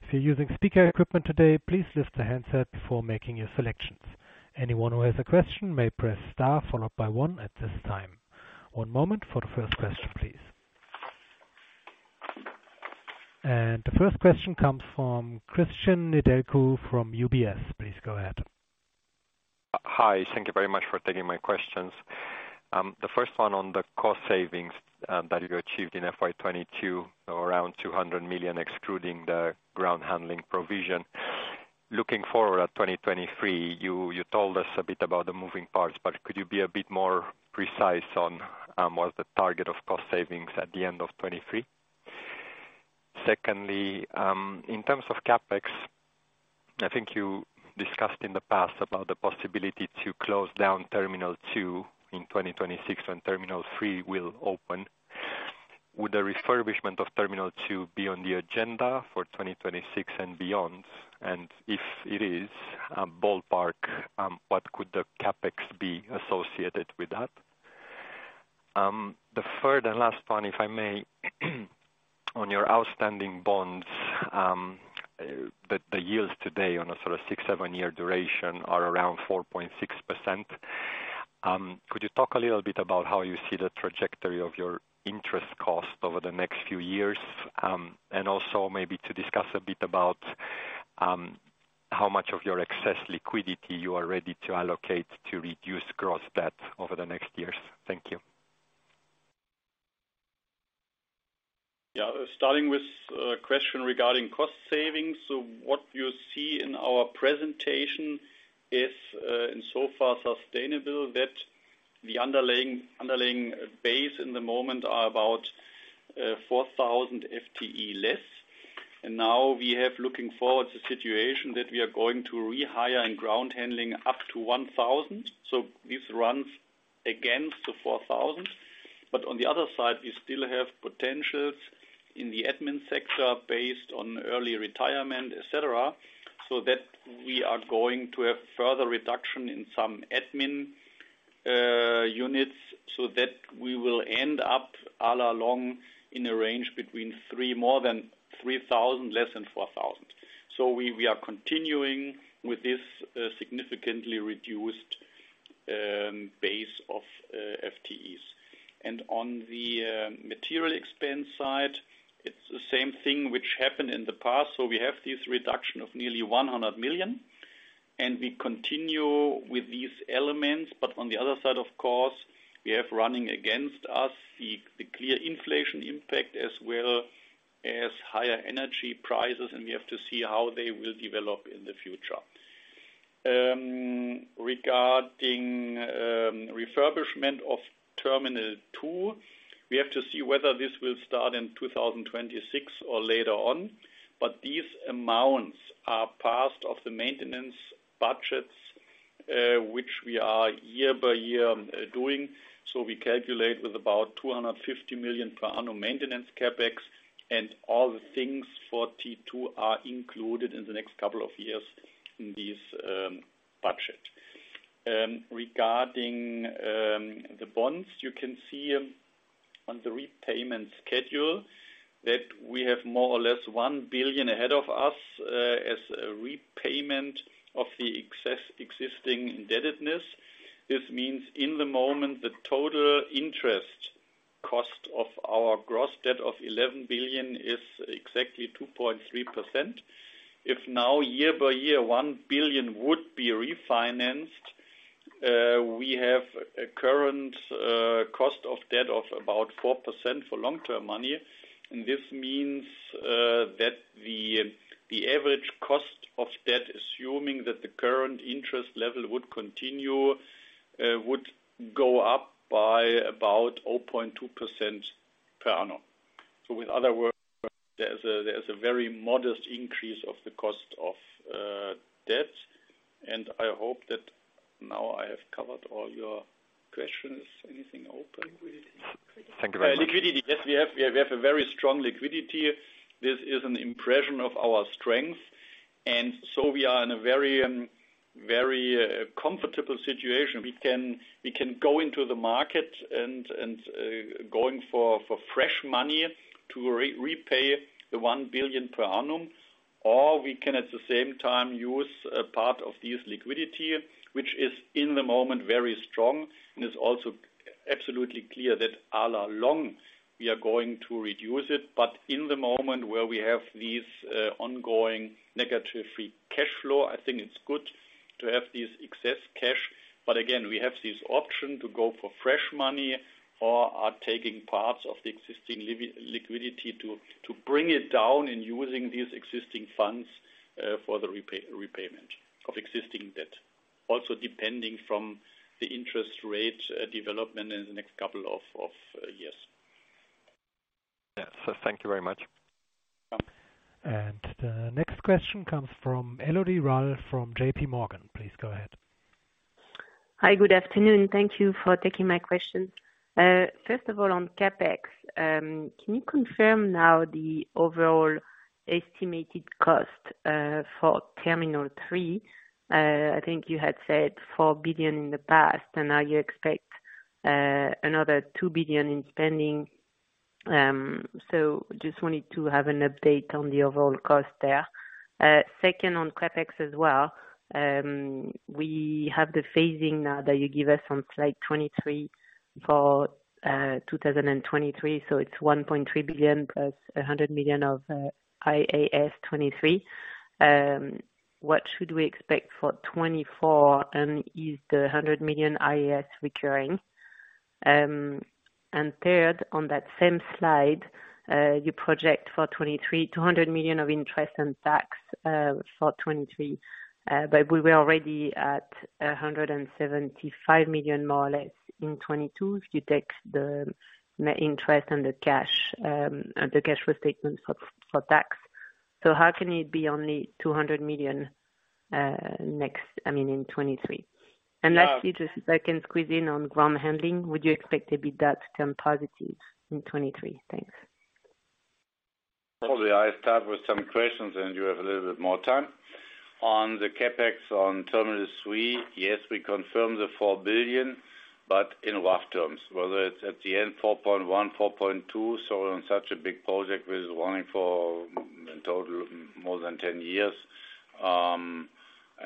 If you're using speaker equipment today, please lift the handset before making your selections. Anyone who has a question may press star followed by one at this time. One moment for the first question, please. The first question comes from Cristian Nedelcu from UBS. Please go ahead. Hi. Thank you very much for taking my questions. The first one on the cost savings that you achieved in FY 2022, around 200 million, excluding the FraGround provision. Looking forward at 2023, you told us a bit about the moving parts, but could you be a bit more precise on what's the target of cost savings at the end of 2023? Secondly, in terms of CapEx, I think you discussed in the past about the possibility to close down Terminal 2 in 2026, when Terminal 3 will open. Would the refurbishment of Terminal 2 be on the agenda for 2026 and beyond? If it is, ballpark, what could the CapEx be associated with that? The third and last one, if I may on your outstanding bonds, the yields today on a sort of six, seven year duration are around 4.6%. Could you talk a little bit about how you see the trajectory of your interest cost over the next few years? Also maybe to discuss a bit about how much of your excess liquidity you are ready to allocate to reduce gross debt over the next years. Thank you. Starting with a question regarding cost savings. What you see in our presentation is in so far sustainable that the underlying base in the moment are about 4,000 FTE less. Now we have, looking forward, the situation that we are going to rehire in ground handling up to 1,000. This runs against the 4,000. On the other side, we still have potentials in the admin sector based on early retirement, et cetera, so that we are going to have further reduction in some admin units, so that we will end up all along in a range between three, more than 3,000, less than 4,000. We are continuing with this significantly reduced base of FTEs. On the material expense side, it's the same thing which happened in the past. We have this reduction of nearly 100 million, and we continue with these elements. On the other side, of course, we have running against us the clear inflation impact as well as higher energy prices, and we have to see how they will develop in the future. Regarding refurbishment of Terminal 2, we have to see whether this will start in 2026 or later on. These amounts are passed of the maintenance budgets, which we are year by year doing. We calculate with about 250 million per annum maintenance CapEx and all the things for T2 are included in the next couple of years in this budget. Regarding the bonds, you can see on the repayment schedule that we have more or less 1 billion ahead of us as a repayment of the excess existing indebtedness. This means in the moment, the total interest cost of our gross debt of 11 billion is exactly 2.3%. If now year by year, 1 billion would be refinanced, we have a current cost of debt of about 4% for long-term money. This means that the average cost of debt, assuming that the current interest level would continue, would go up by about 0.2% per annum. So in other words, there's a very modest increase of the cost of debt. I hope that now I have covered all your questions. Anything open? Thank you very much. Liquidity. Yes, we have a very strong liquidity. This is an impression of our strength. We are in a very, very comfortable situation. We can go into the market and going for fresh money to repay the 1 billion per annum. We can, at the same time, use a part of this liquidity, which is in the moment very strong. It's also absolutely clear that a la long we are going to reduce it. In the moment where we have this ongoing negative free cash flow, I think it's good to have this excess cash. Again, we have this option to go for fresh money or are taking parts of the existing liquidity to bring it down and using these existing funds for the repayment of existing debt, also depending from the interest rate development in the next couple of years. Yes. Thank you very much. Welcome. The next question comes from Elodie Rall from JPMorgan. Please go ahead. Hi. Good afternoon. Thank you for taking my question. First of all, on CapEx, can you confirm now the overall estimated cost for Terminal 3? I think you had said 4 billion in the past, and now you expect another 2 billion in spending. Just wanted to have an update on the overall cost there. Second, on CapEx as well, we have the phasing now that you give us on slide 23 for 2023. It's 1.3 billion plus 100 million of IAS 23. What should we expect for 2024? Is the 100 million IAS recurring? Third, on that same slide, you project for 2023, 200 million of interest and tax for 2023. We were already at 175 million, more or less, in 2022 if you take the net interest and the cash restatements for tax. How can it be only 200 million, next, I mean, in 2023? Yeah. Lastly, just if I can squeeze in on ground handling, would you expect the EBITDA to turn positive in 2023? Thanks. Elodie, I start with some questions. You have a little bit more time. On the CapEx on Terminal 3, yes, we confirm the 4 billion, in rough terms. Whether it's at the end, 4.1 billion, 4.2 billion, on such a big project, we're running for in total more than 10 years.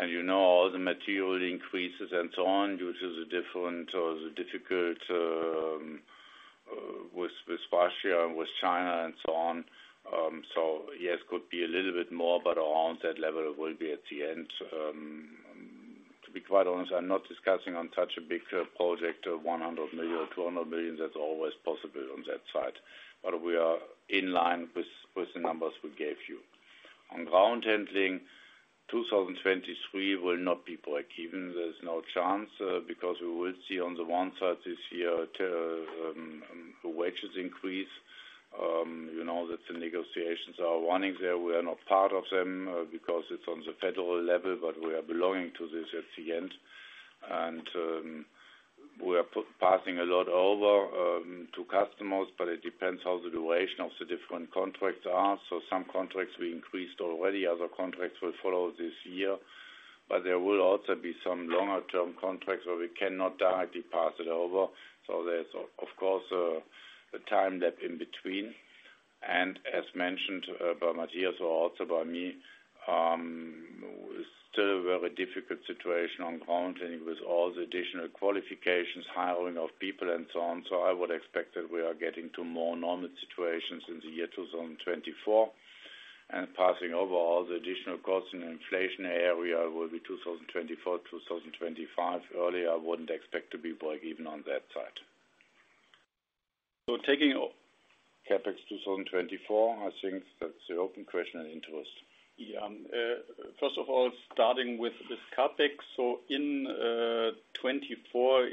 You know all the material increases and so on due to the different or the difficult, with Russia and with China and so on. Yes, could be a little bit more, around that level will be at the end. To be quite honest, I'm not discussing on such a big project, 100 million, 200 million. That's always possible on that side. We are in line with the numbers we gave you. On ground handling, 2023 will not be break even. There's no chance, because we will see on the one side this year the wages increase. You know that the negotiations are running there. We are not part of them, because it's on the federal level, but we are belonging to this at the end. We are passing a lot over to customers, but it depends how the duration of the different contracts are. Some contracts we increased already, other contracts will follow this year. There will also be some longer-term contracts where we cannot directly pass it over. There's of course a time lag in between. As mentioned by Matthias or also by me, still a very difficult situation on ground handling with all the additional qualifications, hiring of people and so on. I would expect that we are getting to more normal situations in the year 2024. Passing over all the additional costs in the inflation area will be 2024, 2025. Earlier, I wouldn't expect to be break even on that side. Taking CapEx 2024, I think that's the open question and interest. First of all, starting with CapEx. In 2024,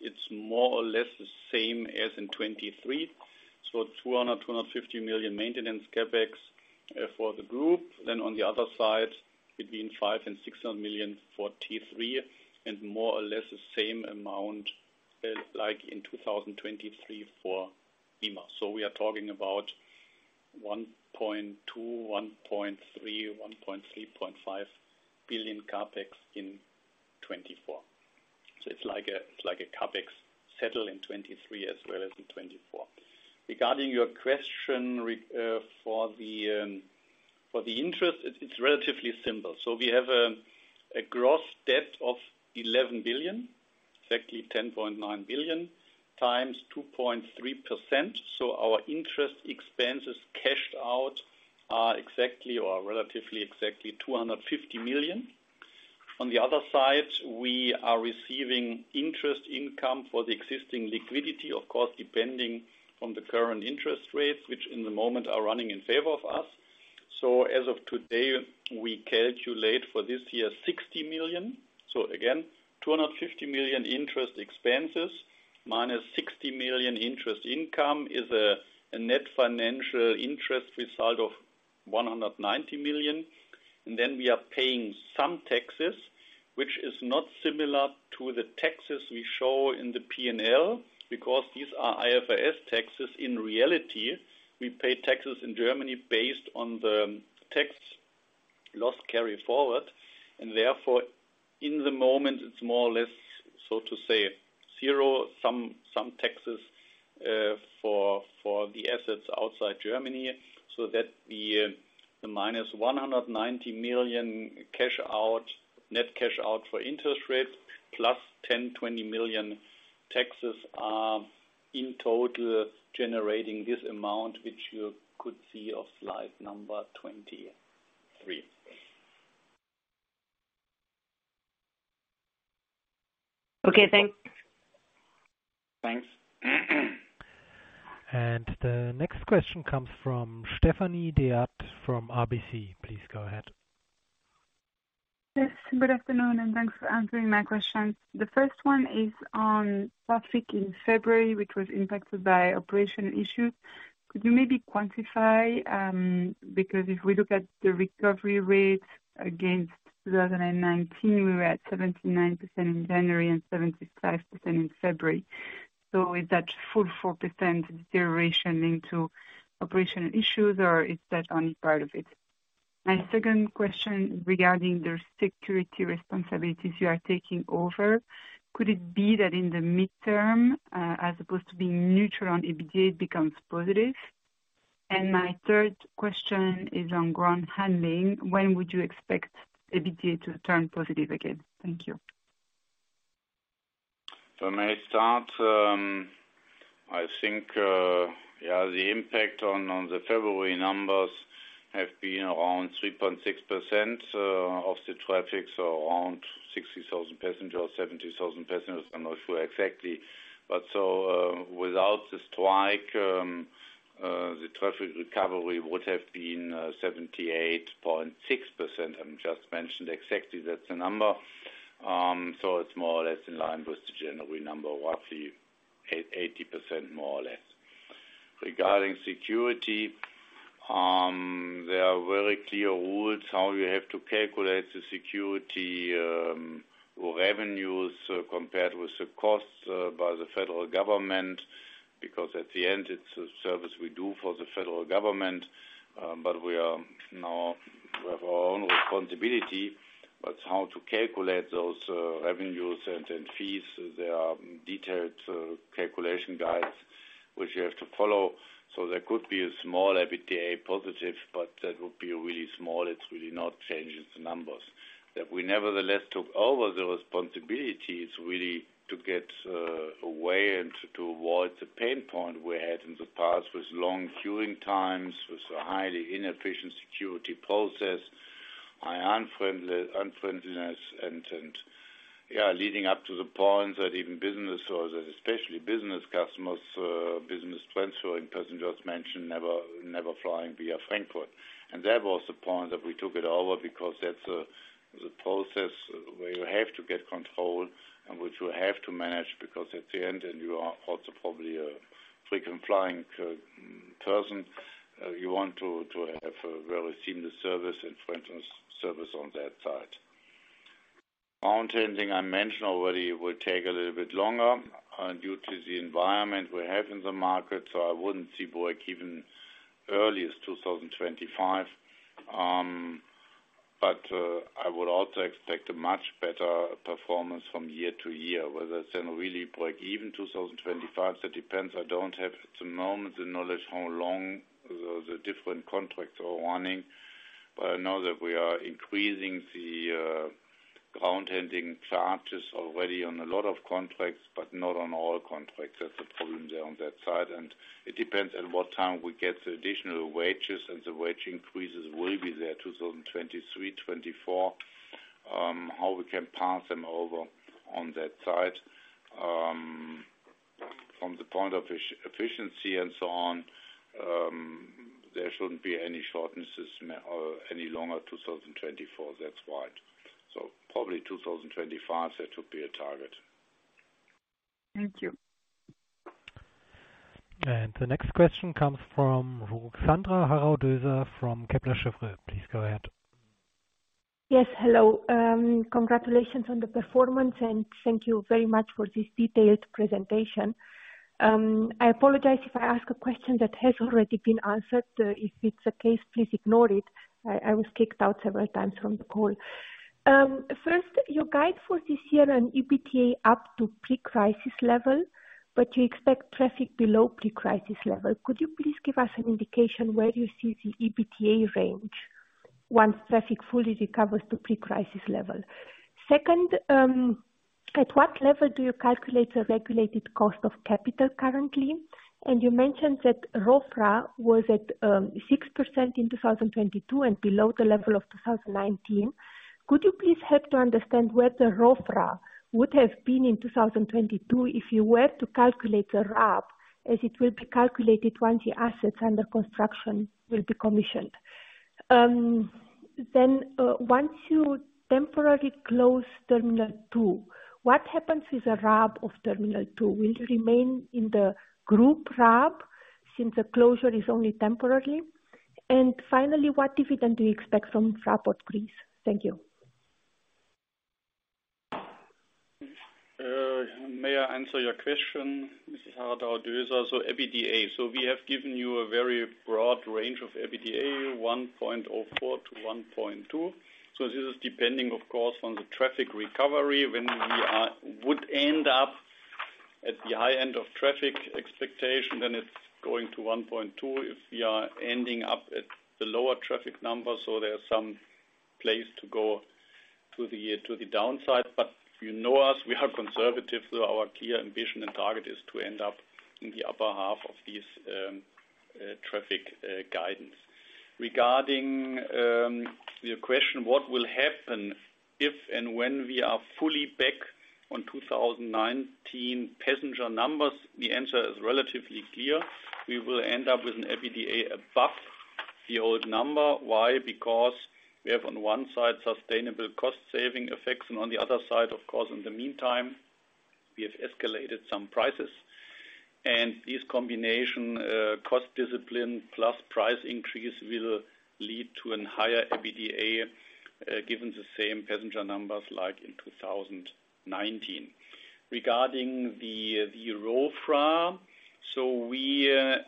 it's more or less the same as in 2023. 250 million maintenance CapEx for the group. On the other side, between 500 million and 600 million for Terminal 3 and more or less the same amount like in 2023 for EMAS. We are talking about 1.2 billion-1.35 billion CapEx in 2024. It's like a CapEx settle in 2023 as well as in 2024. Regarding your question for the interest, it's relatively simple. We have a gross debt of 11 billion, exactly 10.9 billion times 2.3%. Our interest expenses cashed out are exactly or relatively exactly 250 million. On the other side, we are receiving interest income for the existing liquidity, of course, depending on the current interest rates, which in the moment are running in favor of us. As of today, we calculate for this year 60 million. Again, 250 million interest expenses minus 60 million interest income is a net financial interest result of 190 million. Then we are paying some taxes, which is not similar to the taxes we show in the P&L because these are IFRS taxes. In reality, we pay taxes in Germany based on the tax loss carry forward. Therefore, in the moment it's more or less, so to say, zero, some taxes for the assets outside Germany. That the minus 190 million cash out, net cash out for interest rates plus 10, 20 million taxes are in total generating this amount, which you could see of slide number 23. Okay, thanks. Thanks. The next question comes from Stephanie D'Ath from RBC. Please go ahead. Yes, good afternoon. Thanks for answering my questions. The first one is on traffic in February, which was impacted by operational issues. Could you maybe quantify, because if we look at the recovery rates against 2019, we were at 79% in January and 75% in February. Is that full 4% deterioration into operational issues, or is that only part of it? My second question regarding the security responsibilities you are taking over, could it be that in the midterm, as opposed to being neutral on EBITDA, it becomes positive? My third question is on ground handling. When would you expect EBITDA to turn positive again? Thank you. May I start? I think the impact on the February numbers have been around 3.6% of the traffic, around 60,000 passengers, 70,000 passengers. I'm not sure exactly. Without the strike, the traffic recovery would have been 78.6%. I've just mentioned exactly that's the number. It's more or less in line with the January number, roughly 80% more or less. Regarding security, there are very clear rules how you have to calculate the security revenues compared with the costs by the Federal Government, because at the end, it's a service we do for the Federal Government, we are now, we have our own responsibility. How to calculate those revenues and fees, there are detailed calculation guides which you have to follow. There could be a small EBITDA positive, but that would be really small. It's really not changing the numbers. We nevertheless took over the responsibilities really to get away and to avoid the pain point we had in the past with long queuing times, with a highly inefficient security process, unfriendliness and, yeah, leading up to the point that even business or especially business customers, business transfer and passengers mentioned never flying via Frankfurt. That was the point that we took it over because that's the process where you have to get control and which you have to manage because at the end, and you are also probably a frequent flying person, you want to have a very seamless service and for instance, service on that side. Ground handling, I mentioned already, will take a little bit longer due to the environment we have in the market, I wouldn't see break even earliest 2025. I would also expect a much better performance from year to year, whether it's then really break even 2025, that depends. I don't have at the moment the knowledge how long the different contracts are running. I know that we are increasing the Ground handling charges already on a lot of contracts, but not on all contracts. That's the problem there on that side. It depends at what time we get the additional wages and the wage increases will be there 2023, 2024, how we can pass them over on that side. From the point of efficiency and so on, there shouldn't be any shortnesses any longer 2024, that's right. Probably 2025 there to be a target. Thank you. The next question comes from Frédéric Renard from Kepler Cheuvreux. Please go ahead. Yes, hello. Congratulations on the performance, and thank you very much for this detailed presentation. I apologize if I ask a question that has already been answered. If it's the case, please ignore it. I was kicked out several times from the call. First, your guide for this year on EBTA up to pre-crisis level, but you expect traffic below pre-crisis level. Could you please give us an indication where you see the EBTA range once traffic fully recovers to pre-crisis level? Second, at what level do you calculate the regulated cost of capital currently? You mentioned that ROFRA was at 6% in 2022 and below the level of 2019. Could you please help to understand where the ROFRA would have been in 2022 if you were to calculate the RAB as it will be calculated when the assets under construction will be commissioned? Once you temporarily close Terminal 2, what happens with the RAB of Terminal 2? Will it remain in the group RAB since the closure is only temporary? Finally, what dividend do you expect from Fraport Greece? Thank you. May I answer your question, Mrs. Haradusa? EBITDA, we have given you a very broad range of EBITDA, 1.04-1.2. This is depending of course, on the traffic recovery. When we would end up at the high end of traffic expectation, then it's going to 1.2 if we are ending up at the lower traffic numbers. There's some place to go to the downside. You know us, we are conservative, so our clear ambition and target is to end up in the upper half of this traffic guidance. Regarding your question, what will happen if and when we are fully back on 2019 passenger numbers? The answer is relatively clear. We will end up with an EBITDA above the old number. Why? We have on one side, sustainable cost saving effects, and on the other side, of course, in the meantime, we have escalated some prices. This combination, cost discipline plus price increase will lead to an higher EBITDA, given the same passenger numbers like in 2019. Regarding the ROFRA, we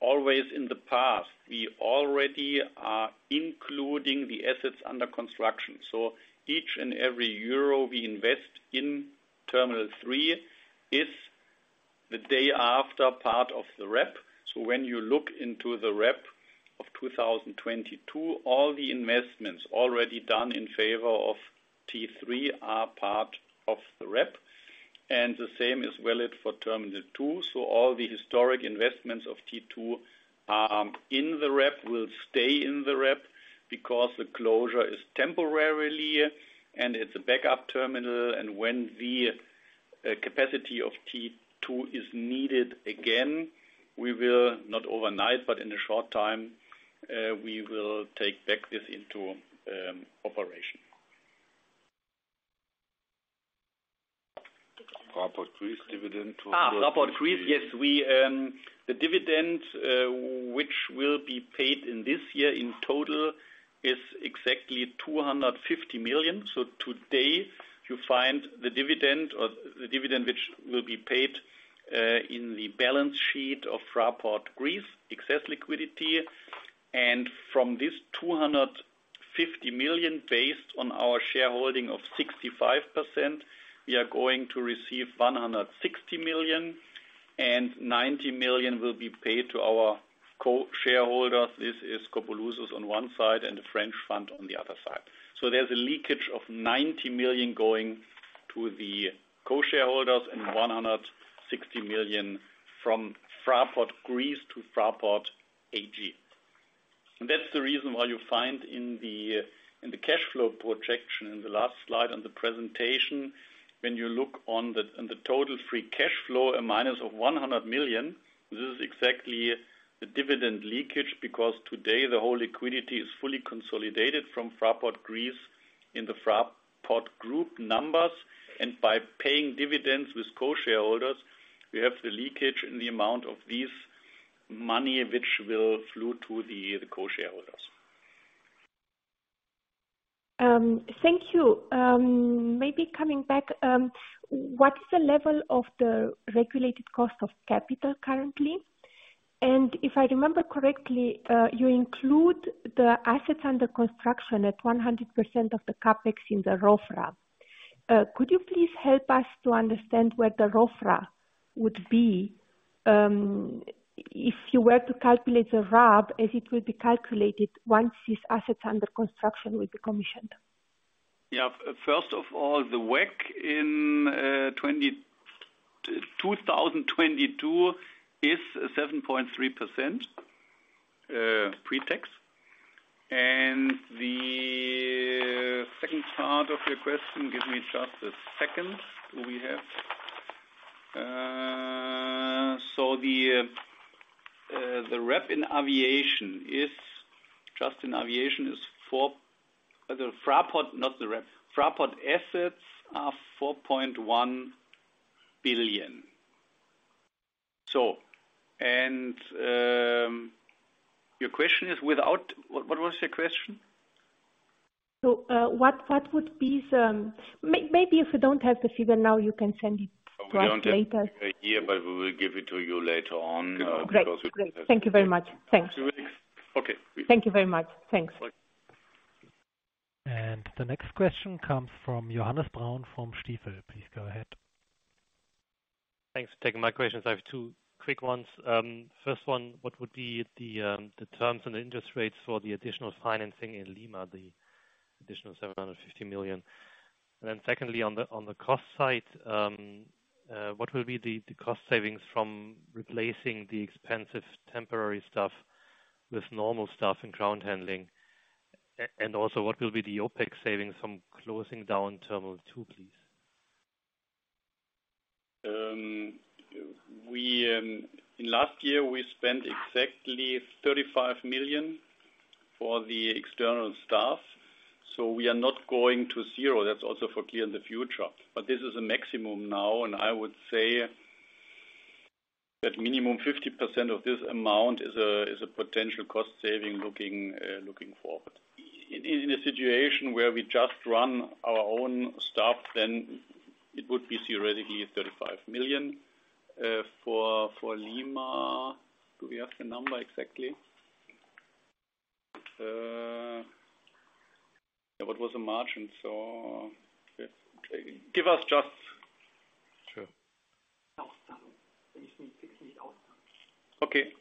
always in the past, we already are including the assets under construction. Each and every EUR we invest in Terminal 3 is the day after part of the REP. When you look into the REP of 2022, all the investments already done in favor of T3 are part of the REP, and the same is valid for Terminal 2. All the historic investments of T2 are in the REP, will stay in the REP because the closure is temporary and it's a backup terminal and when the capacity of T2 is needed again, we will, not overnight, but in a short time, we will take back this into operation. Fraport Greece dividend Fraport Greece. Yes, we, the dividend, which will be paid in this year in total is exactly 250 million. Today you find the dividend or the dividend which will be paid, in the balance sheet of Fraport Greece excess liquidity. From this 250 million based on our shareholding of 65%, we are going to receive 160 million and 90 million will be paid to our co-shareholders. This is Copelouzos on one side and the French fund on the other side. There's a leakage of 90 million going to the co-shareholders and 160 million from Fraport Greece to Fraport AG. That's the reason why you find in the cash flow projection in the last slide on the presentation, when you look on the total free cash flow, a minus of 100 million. This is exactly the dividend leakage because today the whole liquidity is fully consolidated from Fraport Greece in the Fraport Group numbers and by paying dividends with co-shareholders, we have the leakage in the amount of this money which will flow to the co-shareholders. Thank you. Maybe coming back, what is the level of the regulated cost of capital currently? If I remember correctly, you include the assets under construction at 100% of the CapEx in the ROFRA. Could you please help us to understand where the ROFRA would be, if you were to calculate the RAB as it will be calculated once these assets under construction will be commissioned? Yeah. First of all, the WACC in 2022 is 7.3% pre-tax. The second part of your question, give me just a second. We have the RAP in aviation is, just in aviation is the Fraport, not the RAP, Fraport assets are EUR 4.1 billion. Your question is without... what was your question? What would be the maybe if you don't have the figure now, you can send it to us later. We don't have it here, but we will give it to you later on, because we. Great. Thank you very much. Thanks. Okay. Thank you very much. Thanks. Bye. The next question comes from Johannes Braun from Stifel. Please go ahead. Thanks for taking my questions. I have two quick ones. First one, what would be the terms and the interest rates for the additional financing in Lima, the additional $750 million? Secondly, on the cost side, what will be the cost savings from replacing the expensive temporary staff with normal staff in ground handling? Also, what will be the OpEx savings from closing down Terminal 2, please? We, in last year, we spent exactly 35 million for the external staff, we are not going to zero. That's also for clear in the future. This is a maximum now, and I would say that minimum 50% of this amount is a potential cost saving looking forward. In a situation where we just run our own staff, then it would be theoretically 35 million. For Lima, do we have the number exactly? What was the margin? Give us. Sure. Okay.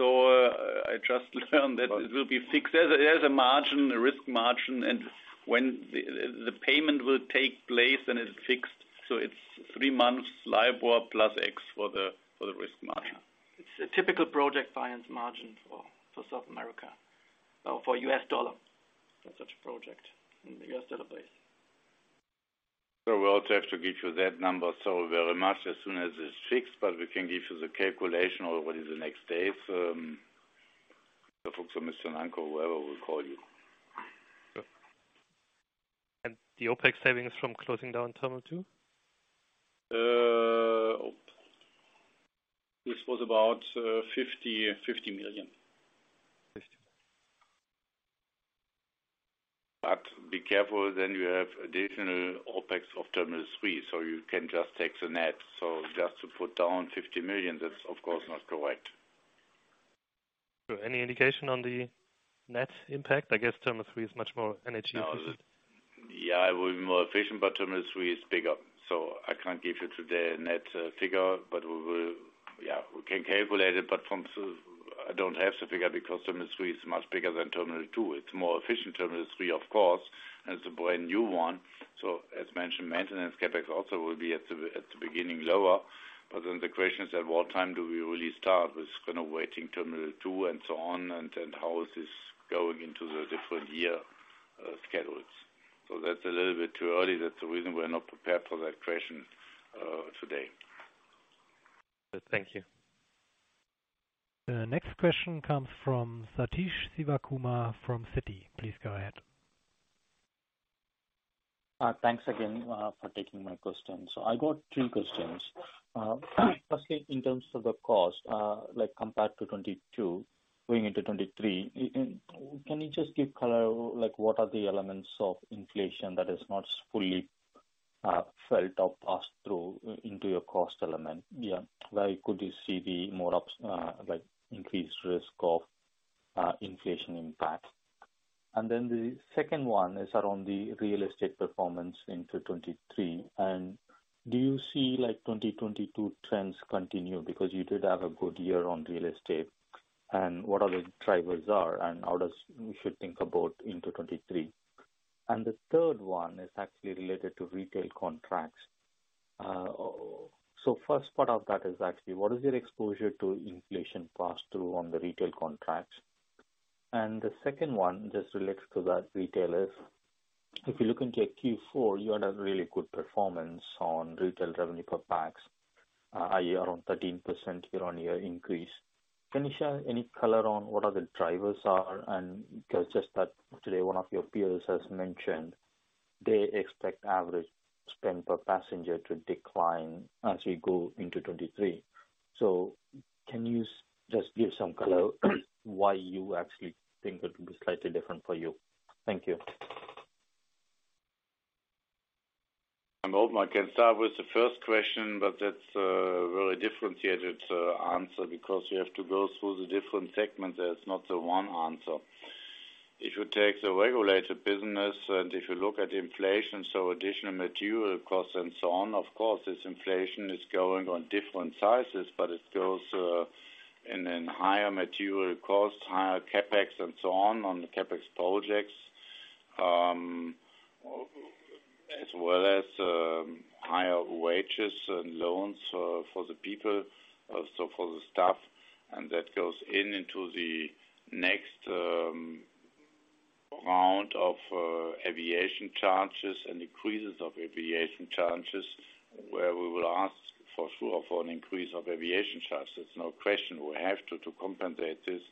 I just learned that it will be fixed. There's a margin, a risk margin, and when the payment will take place, then it's fixed. It's three months LIBOR plus X for the risk margin. It's a typical project finance margin for South America, for US dollar for such a project in the US dollar base. We'll have to get you that number so very much as soon as it's fixed, but we can give you the calculation already the next days. Folks from Mr. Nanke, whoever will call you. The OpEx savings from closing down terminal 2? This was about 50 million. 50 million. Be careful, then you have additional OpEx of Terminal 3, so you can just take the net. Just to put down 50 million, that's of course not correct. Any indication on the net impact? I guess Terminal 3 is much more energy efficient. It will be more efficient, but Terminal 3 is bigger. I can't give you today a net figure, I don't have the figure because Terminal 3 is much bigger than Terminal 2. It's more efficient, Terminal 3, of course. It's a brand-new one. As mentioned, maintenance CapEx also will be at the beginning lower. The question is, at what time do we really start? It's kind of waiting Terminal 2 and so on, and then how is this going into the different year schedules. That's a little bit too early. That's the reason we're not prepared for that question today. Thank you. The next question comes from Sathish Sivakumar from Citi. Please go ahead. Thanks again for taking my questions. I got three questions. Firstly, in terms of the cost, like compared to 2022, going into 2023, can you just give color, like what are the elements of inflation that is not fully felt or passed through into your cost element? Yeah. Where could you see the more up, like increased risk of inflation impact? The second one is around the real estate performance into 2023. Do you see, like, 2022 trends continue because you did have a good year on real estate, and what are the drivers are, and how does we should think about into 2023? The third one is actually related to retail contracts. First part of that is actually what is your exposure to inflation pass-through on the retail contracts? The second one just relates to that retailers. If you look into Q4, you had a really good performance on retail revenue per pax, i.e., around 13% year-on-year increase. Can you share any color on what are the drivers are and because just that today one of your peers has mentioned they expect average spend per passenger to decline as we go into 2023. Can you just give some color why you actually think it will be slightly different for you? Thank you. I'm open. I can start with the first question, but that's a very differentiated answer because you have to go through the different segments. There's not the one answer. If you take the regulated business and if you look at inflation, so additional material costs and so on, of course, this inflation is going on different sizes, but it goes in higher material costs, higher CapEx and so on the CapEx projects. As well as higher wages and loans for the people, also for the staff. That goes in into the next round of aviation charges and increases of aviation charges, where we will ask for sure for an increase of aviation charges. No question, we have to compensate this,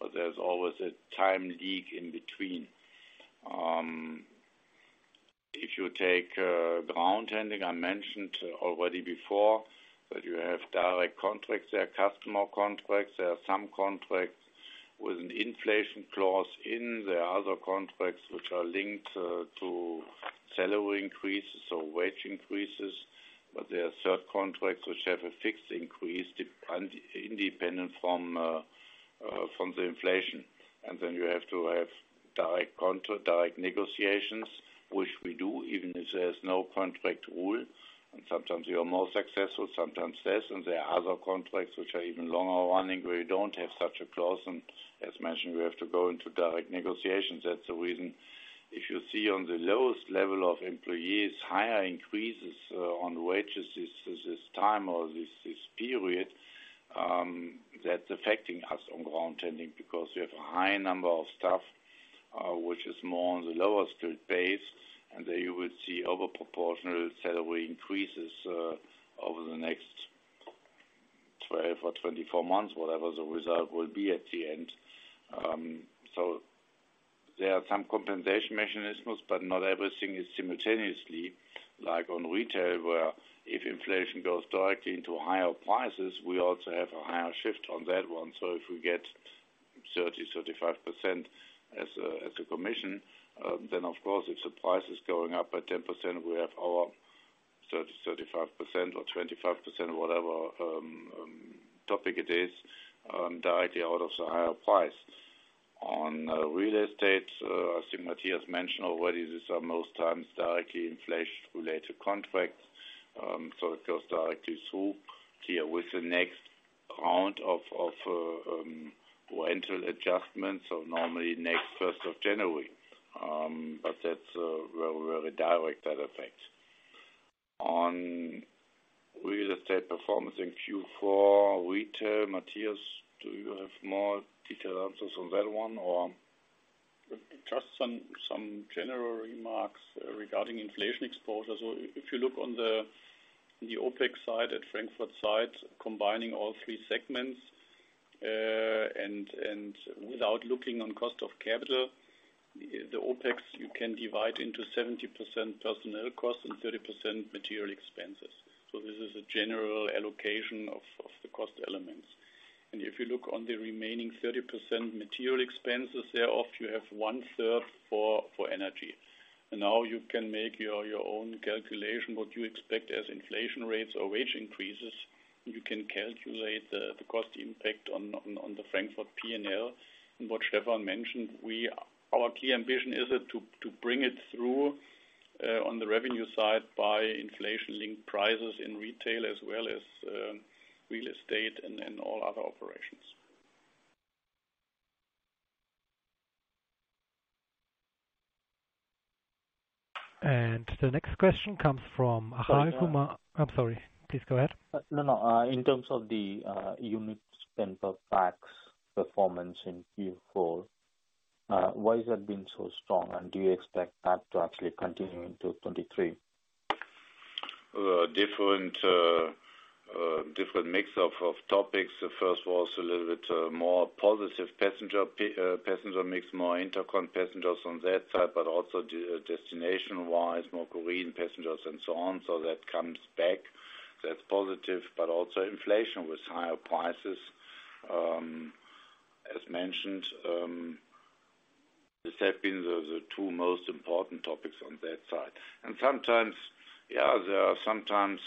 but there's always a time leak in between. If you take ground handling, I mentioned already before that you have direct contracts there, customer contracts, there are some contracts with an inflation clause in. There are other contracts which are linked to salary increases or wage increases. There are third contracts which have a fixed increase independent from the inflation. Then you have to have direct contract, direct negotiations, which we do, even if there's no contract rule. Sometimes you are more successful, sometimes less. There are other contracts which are even longer running, where you don't have such a clause. As mentioned, we have to go into direct negotiations. That's the reason. If you see on the lowest level of employees, higher increases on wages this time or this period, that's affecting us on ground handling because we have a high number of staff which is more on the lower skilled base. There you will see over proportional salary increases over the next 12 or 24 months, whatever the result will be at the end. There are some compensation mechanisms, but not everything is simultaneously like on retail, where if inflation goes directly into higher prices, we also have a higher shift on that one. If we get 30%-35% as a commission, then of course, if the price is going up by 10%, we have our 30%-35% or 25%, whatever topic it is, directly out of the higher price. Real estate, I think Matthias mentioned already, these are most times directly inflation related contracts. It goes directly through here with the next round of rental adjustments, normally next 1st of January. That's very direct that effect. On real estate performance in Q4 retail, Matthias, do you have more detailed answers on that one or? Just some general remarks regarding inflation exposure. If you look on the OpEx side at Frankfurt site, combining all three segments, and without looking on cost of capital, the OpEx you can divide into 70% personnel costs and 30% material expenses. This is a general allocation of the cost elements. If you look on the remaining 30% material expenses, thereof you have 1/3 for energy. Now you can make your own calculation, what you expect as inflation rates or wage increases. You can calculate the cost impact on the Frankfurt P&L. What Stefan mentioned, our key ambition is to bring it through on the revenue side by inflation linked prices in retail as well as real estate and all other operations. The next question comes from Rishika Savjani. I'm sorry, please go ahead. No, no. In terms of the unit spend per pax performance in Q4, why has that been so strong? Do you expect that to actually continue into 2023? Different mix of topics. First was a little bit more positive passenger mix, more intercon passengers on that side, but also de-destination-wise, more Korean passengers and so on. That comes back. That's positive, but also inflation with higher prices. As mentioned, these have been the two most important topics on that side. Sometimes, yeah, there are sometimes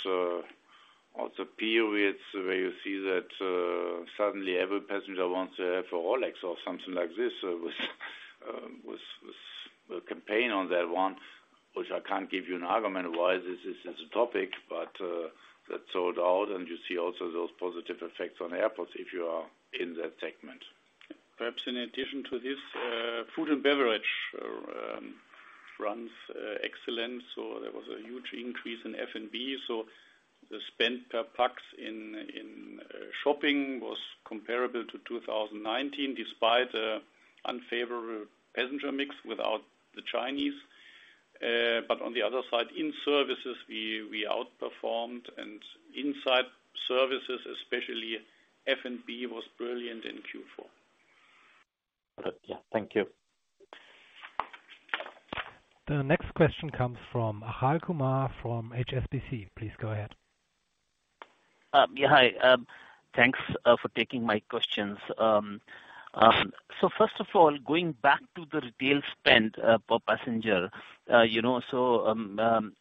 also periods where you see that suddenly every passenger wants to have a Rolex or something like this. With the campaign on that one, which I can't give you an argument why this is as a topic, but that sold out. You see also those positive effects on airports if you are in that segment. Perhaps in addition to this, food and beverage runs excellent. There was a huge increase in F&B. The spend per pax in shopping was comparable to 2019, despite the unfavorable passenger mix without the Chinese. On the other side, in services, we outperformed and inside services, especially F&B, was brilliant in Q4. Got it. Yeah. Thank you. The next question comes from Rishika Savjani from HSBC. Please go ahead. Yeah. Hi, thanks for taking my questions. First of all, going back to the retail spend per passenger, you know,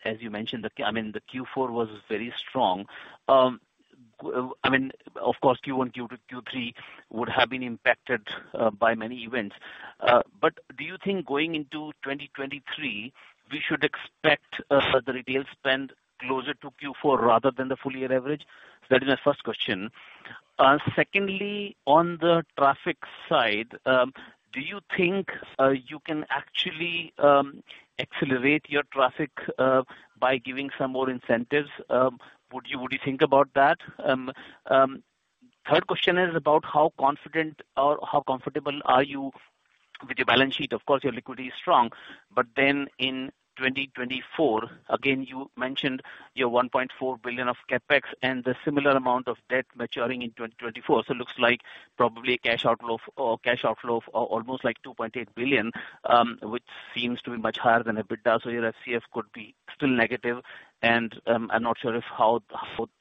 as you mentioned, the, I mean, the Q4 was very strong. I mean, of course, Q1, Q2, Q3 would have been impacted by many events. Do you think going into 2023, we should expect the retail spend closer to Q4 rather than the full year average? That is my first question. Secondly, on the traffic side, do you think you can actually accelerate your traffic by giving some more incentives? Would you think about that? Third question is about how confident or how comfortable are you with your balance sheet? Of course, your liquidity is strong, then in 2024, again you mentioned your 1.4 billion of CapEx and the similar amount of debt maturing in 2024. Looks like probably a cash outflow of almost 2.8 billion, which seems to be much higher than EBITDA. Your FCF could be still negative, and I'm not sure how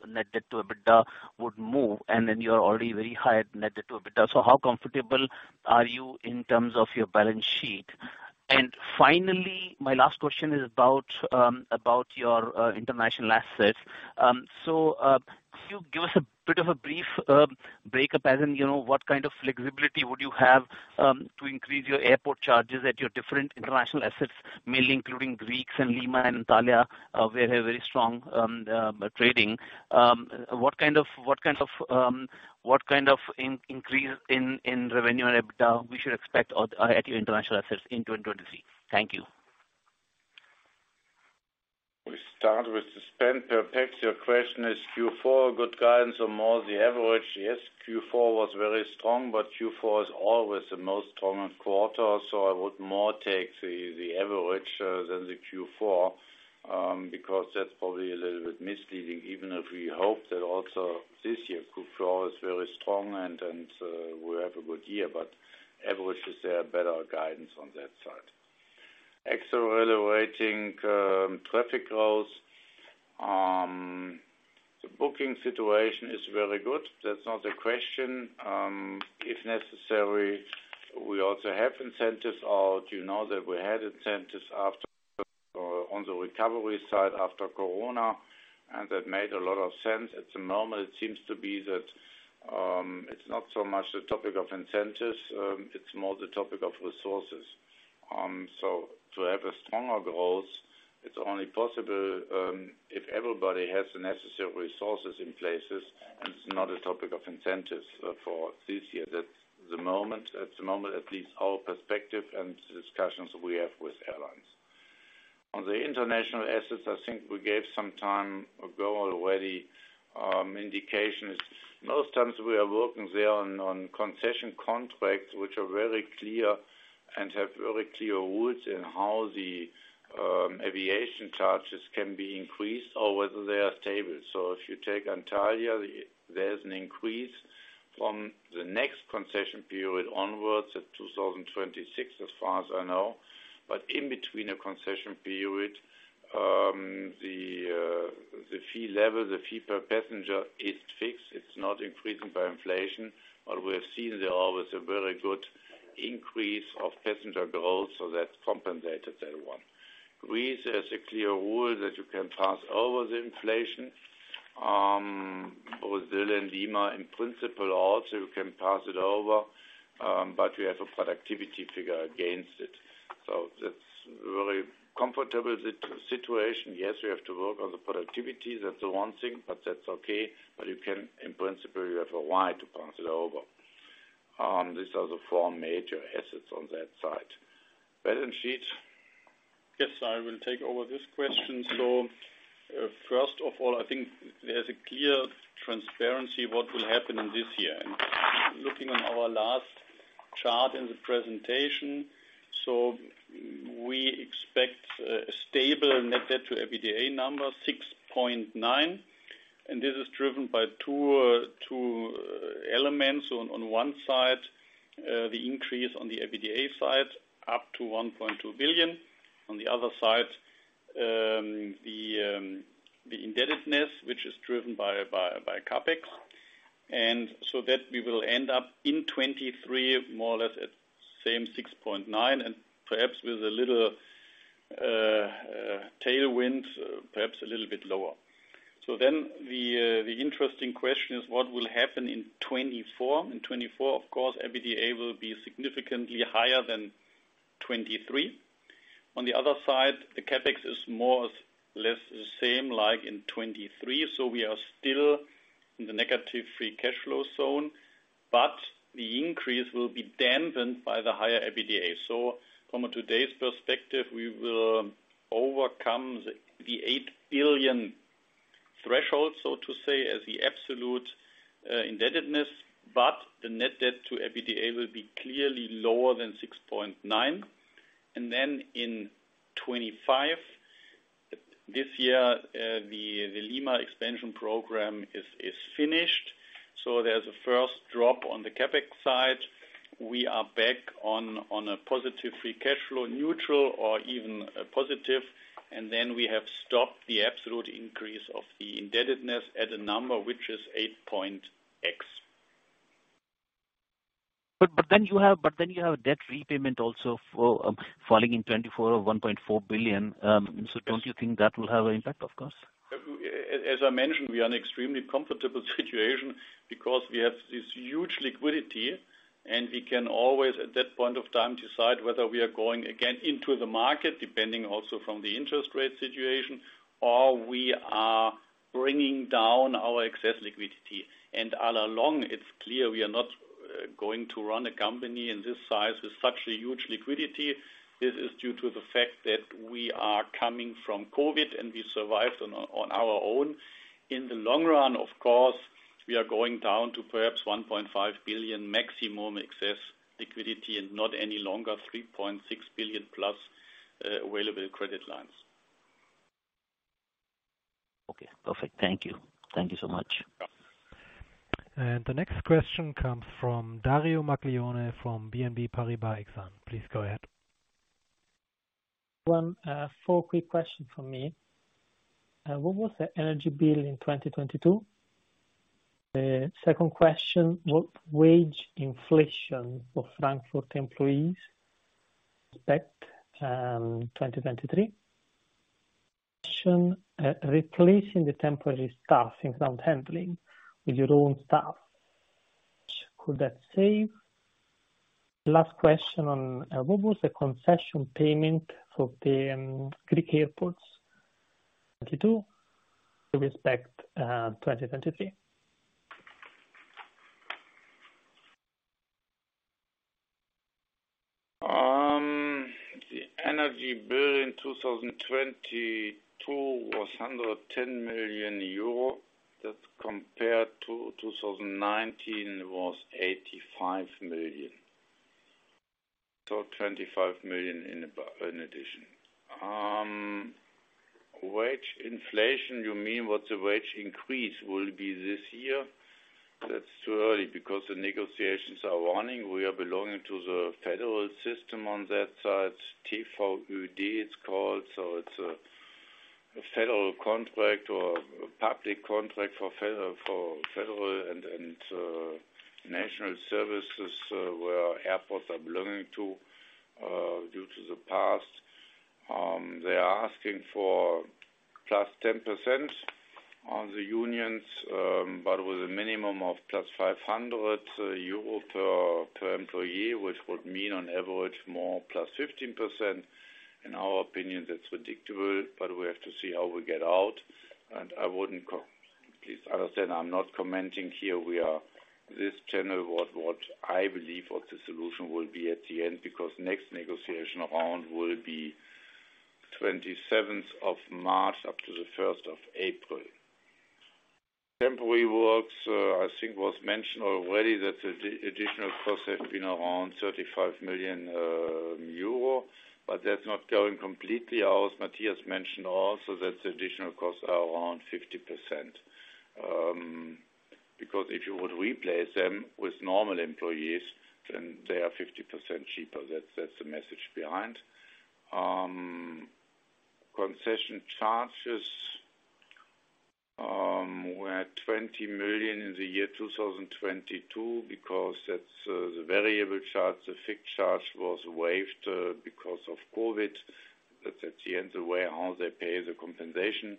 net debt to EBITDA would move. You're already very high at net debt to EBITDA. How comfortable are you in terms of your balance sheet? Finally, my last question is about your international assets. Could you give us a bit of a brief breakup as in, you know, what kind of flexibility would you have to increase your airport charges at your different international assets, mainly including Fraport Greece and Lima and Antalya, where you have very strong trading. What kind of increase in revenue and EBITDA we should expect or, at your international assets in 2023? Thank you. We start with the spend per pax. Your question is Q4 good guidance or more the average? Yes, Q4 was very strong, Q4 is always the most common quarter, so I would more take the average than the Q4, because that's probably a little bit misleading, even if we hope that also this year Q4 is very strong and we have a good year. Average is a better guidance on that side. Accelerating traffic growth. The booking situation is very good. That's not a question. If necessary, we also have incentives or do you know that we had incentives after or on the recovery side after Corona, that made a lot of sense. At the moment, it seems to be that it's not so much the topic of incentives, it's more the topic of resources. To have a stronger growth, it's only possible if everybody has the necessary resources in places, and it's not a topic of incentives for this year. That's at the moment, at least our perspective and discussions we have with airlines. On the international assets, I think we gave some time ago already indications. Most times we are working there on concession contracts which are very clear and have very clear routes in how the aviation charges can be increased or whether they are stable. If you take Antalya, there's an increase from the next concession period onwards at 2026, as far as I know. In between a concession period, the fee level, the fee per passenger is fixed. It's not increasing by inflation. We have seen there always a very good increase of passenger growth, so that compensated that one. Greece has a clear rule that you can pass over the inflation. Brazil and Lima in principle also you can pass it over, but we have a productivity figure against it. That's really comfortable sit-situation. Yes, we have to work on the productivity, that's the one thing, but that's okay. You can, in principle, you have a right to pass it over. These are the four major assets on that side. Balance sheet. Yes, I will take over this question. First of all, I think there's a clear transparency what will happen in this year. Looking on our last chart in the presentation, we expect a stable net debt to EBITDA number 6.9, and this is driven by two elements. On one side, the increase on the EBITDA side up to 1.2 billion. On the other side, the indebtedness, which is driven by CapEx. That we will end up in 2023 more or less at same 6.9 and perhaps with a little tailwind, perhaps a little bit lower. The interesting question is what will happen in 2024. In 2024, of course, EBITDA will be significantly higher than 2023. On the other side, the CapEx is more or less the same like in 2023. We are still in the negative free cash flow zone, but the increase will be dampened by the higher EBITDA. From today's perspective, we will overcome the 8 billion threshold, so to say, as the absolute indebtedness, but the net debt to EBITDA will be clearly lower than 6.9. In 2025, this year, the Lima expansion program is finished. There's a first drop on the CapEx side. We are back on a positive free cash flow, neutral or even positive. We have stopped the absolute increase of the indebtedness at a number which is 8.x. You have debt repayment also for falling in 2024 of 1.4 billion. Don't you think that will have an impact, of course? As I mentioned, we are in extremely comfortable situation because we have this huge liquidity. We can always, at that point of time, decide whether we are going again into the market, depending also from the interest rate situation, or we are bringing down our excess liquidity. All along, it's clear we are not going to run a company in this size with such a huge liquidity. This is due to the fact that we are coming from COVID, and we survived on our own. In the long run, of course, we are going down to perhaps 1.5 billion maximum excess liquidity and not any longer 3.6 billion-plus available credit lines. Okay, perfect. Thank you. Thank you so much. The next question comes from Dario Maglione from BNP Paribas Exane. Please go ahead. One, four quick questions from me. What was the energy bill in 2022? Second question: What wage inflation for Frankfurt employees expect, 2023? Question, replacing the temporary staff in ground handling with your own staff, could that save? Last question on, what was the concession payment for paying Greek airports 22 with respect, 2023? The energy bill in 2022 was 110 million euro. That compared to 2019 was 85 million. 25 million in addition. Wage inflation, you mean what the wage increase will be this year? That's too early because the negotiations are running. We are belonging to the federal system on that side. TVÖD it's called, so it's a federal contract or public contract for federal and national services, where airports are belonging to due to the past. They are asking for +10% on the unions, but with a minimum of +500 euro per employee, which would mean on average more +15%. In our opinion, that's predictable, but we have to see how we get out. I wouldn't Please understand, I'm not commenting here. We are this general what I believe what the solution will be at the end because next negotiation round will be 27th of March up to the 1st of April. Temporary works, I think was mentioned already that the additional costs have been around 35 million euro, but that's not going completely out. Matthias mentioned also that additional costs are around 50%. If you would replace them with normal employees, then they are 50% cheaper. That's the message behind. Concession charges were at 20 million in the year 2022 because that's the variable charge. The fixed charge was waived because of COVID. At the end, the way how they pay the compensation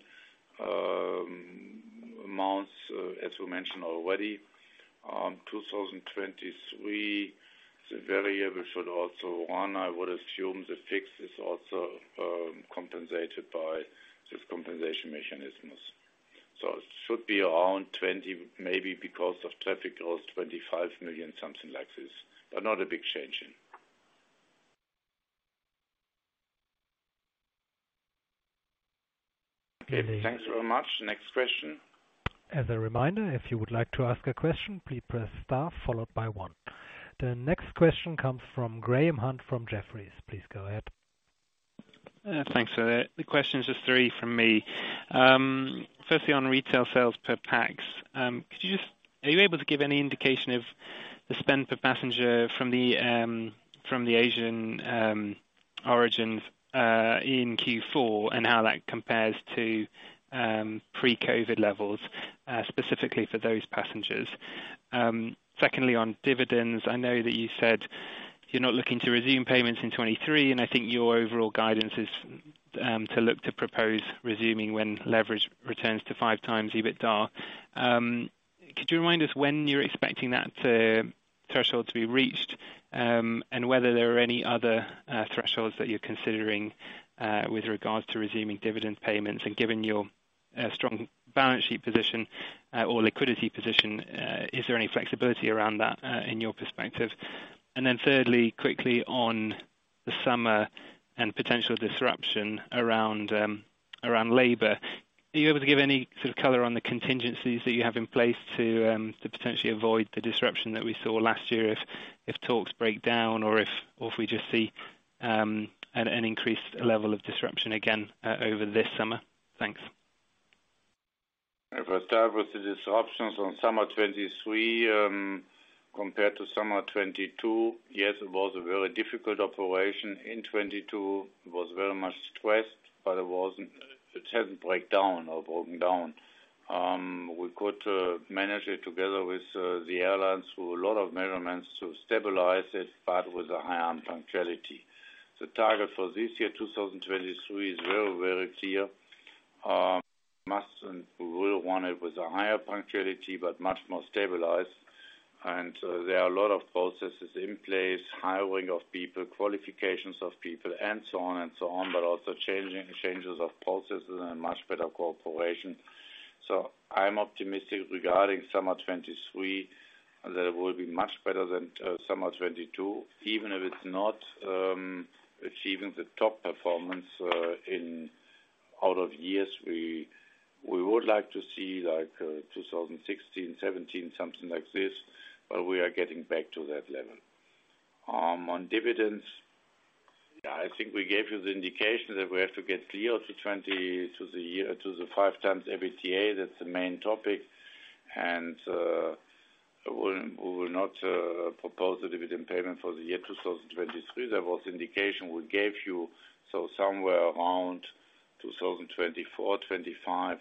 amounts, as we mentioned already, 2023, the variable should also run. I would assume the fixed is also compensated by these compensation mechanisms. It should be around 20 million, maybe because of traffic, or 25 million, something like this, but not a big change in. Thanks very much. Next question. As a reminder, if you would like to ask a question, please press star followed by one. The next question comes from Graham Hunt from Jefferies. Please go ahead. Thanks for that. The question is just three from me. Firstly, on retail sales per pax, are you able to give any indication of the spend per passenger from the Asian origins in Q4 and how that compares to pre-COVID levels specifically for those passengers? Secondly, on dividends, I know that you said you're not looking to resume payments in 2023, and I think your overall guidance is to look to propose resuming when leverage returns to 5x EBITDA. Could you remind us when you're expecting that threshold to be reached, and whether there are any other thresholds that you're considering with regards to resuming dividend payments? Given your strong balance sheet position, or liquidity position, is there any flexibility around that in your perspective? Thirdly, quickly on the summer and potential disruption around labor, are you able to give any sort of color on the contingencies that you have in place to potentially avoid the disruption that we saw last year if talks break down or if we just see an increased level of disruption again over this summer? Thanks. If I start with the disruptions on summer 2023, compared to summer 2022. Yes, it was a very difficult operation in 2022. It was very much stressed, but it hasn't broken down. We could manage it together with the airlines through a lot of measurements to stabilize it, but with a high on punctuality. The target for this year, 2023, is very, very clear. Must and we will want it with a higher punctuality, but much more stabilized. There are a lot of processes in place, hiring of people, qualifications of people, and so on and so on, but also changes of processes and much better cooperation. I'm optimistic regarding summer 2023, that it will be much better than summer 2022, even if it's not achieving the top performance in, out of years, we would like to see like 2016, 2017, something like this, but we are getting back to that level. On dividends, I think we gave you the indication that we have to get clear to the 5x EBITDA. That's the main topic. We will not propose a dividend payment for the year 2023. There was indication we gave you, so somewhere around 2024, 2025,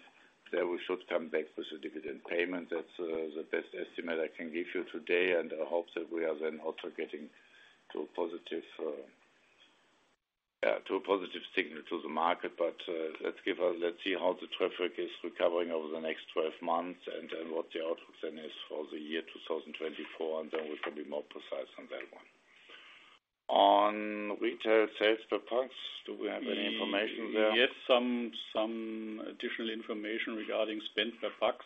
there we should come back with the dividend payment. That's the best estimate I can give you today, and I hope that we are then also getting to a positive signal to the market. Let's see how the traffic is recovering over the next 12 months and then what the outlook then is for the year 2024, and then we can be more precise on that one. On retail sales per pax, do we have any information there? We have some additional information regarding spend per pax.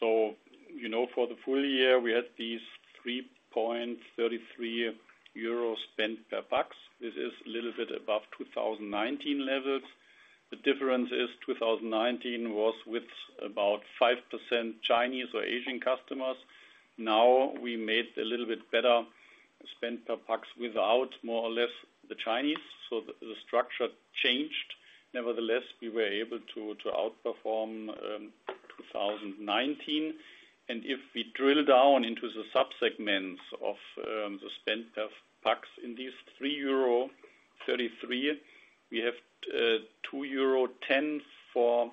You know, for the full year, we had these 3.33 euros spend per pax. This is a little bit above 2019 levels. The difference is 2019 was with about 5% Chinese or Asian customers. Now we made a little bit better spend per pax without more or less the Chinese, the structure changed. Nevertheless, we were able to outperform 2019. If we drill down into the sub-segments of the spend per pax in these 3.33 euro, we have 2.10 euro for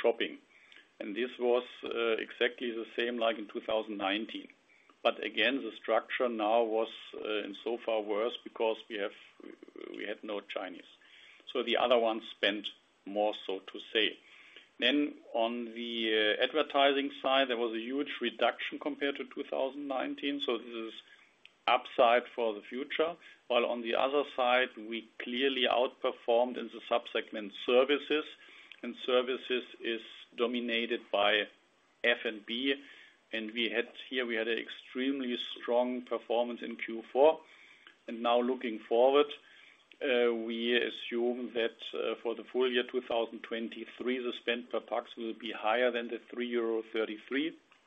shopping. This was exactly the same like in 2019. Again, the structure now was in so far worse because we had no Chinese. The other ones spent more so to say. On the advertising side, there was a huge reduction compared to 2019, so this is upside for the future. On the other side, we clearly outperformed in the sub-segment services, and services is dominated by F&B and here we had an extremely strong performance in Q4. Now looking forward, we assume that for the full year 2023, the spend per pax will be higher than 3.33 euro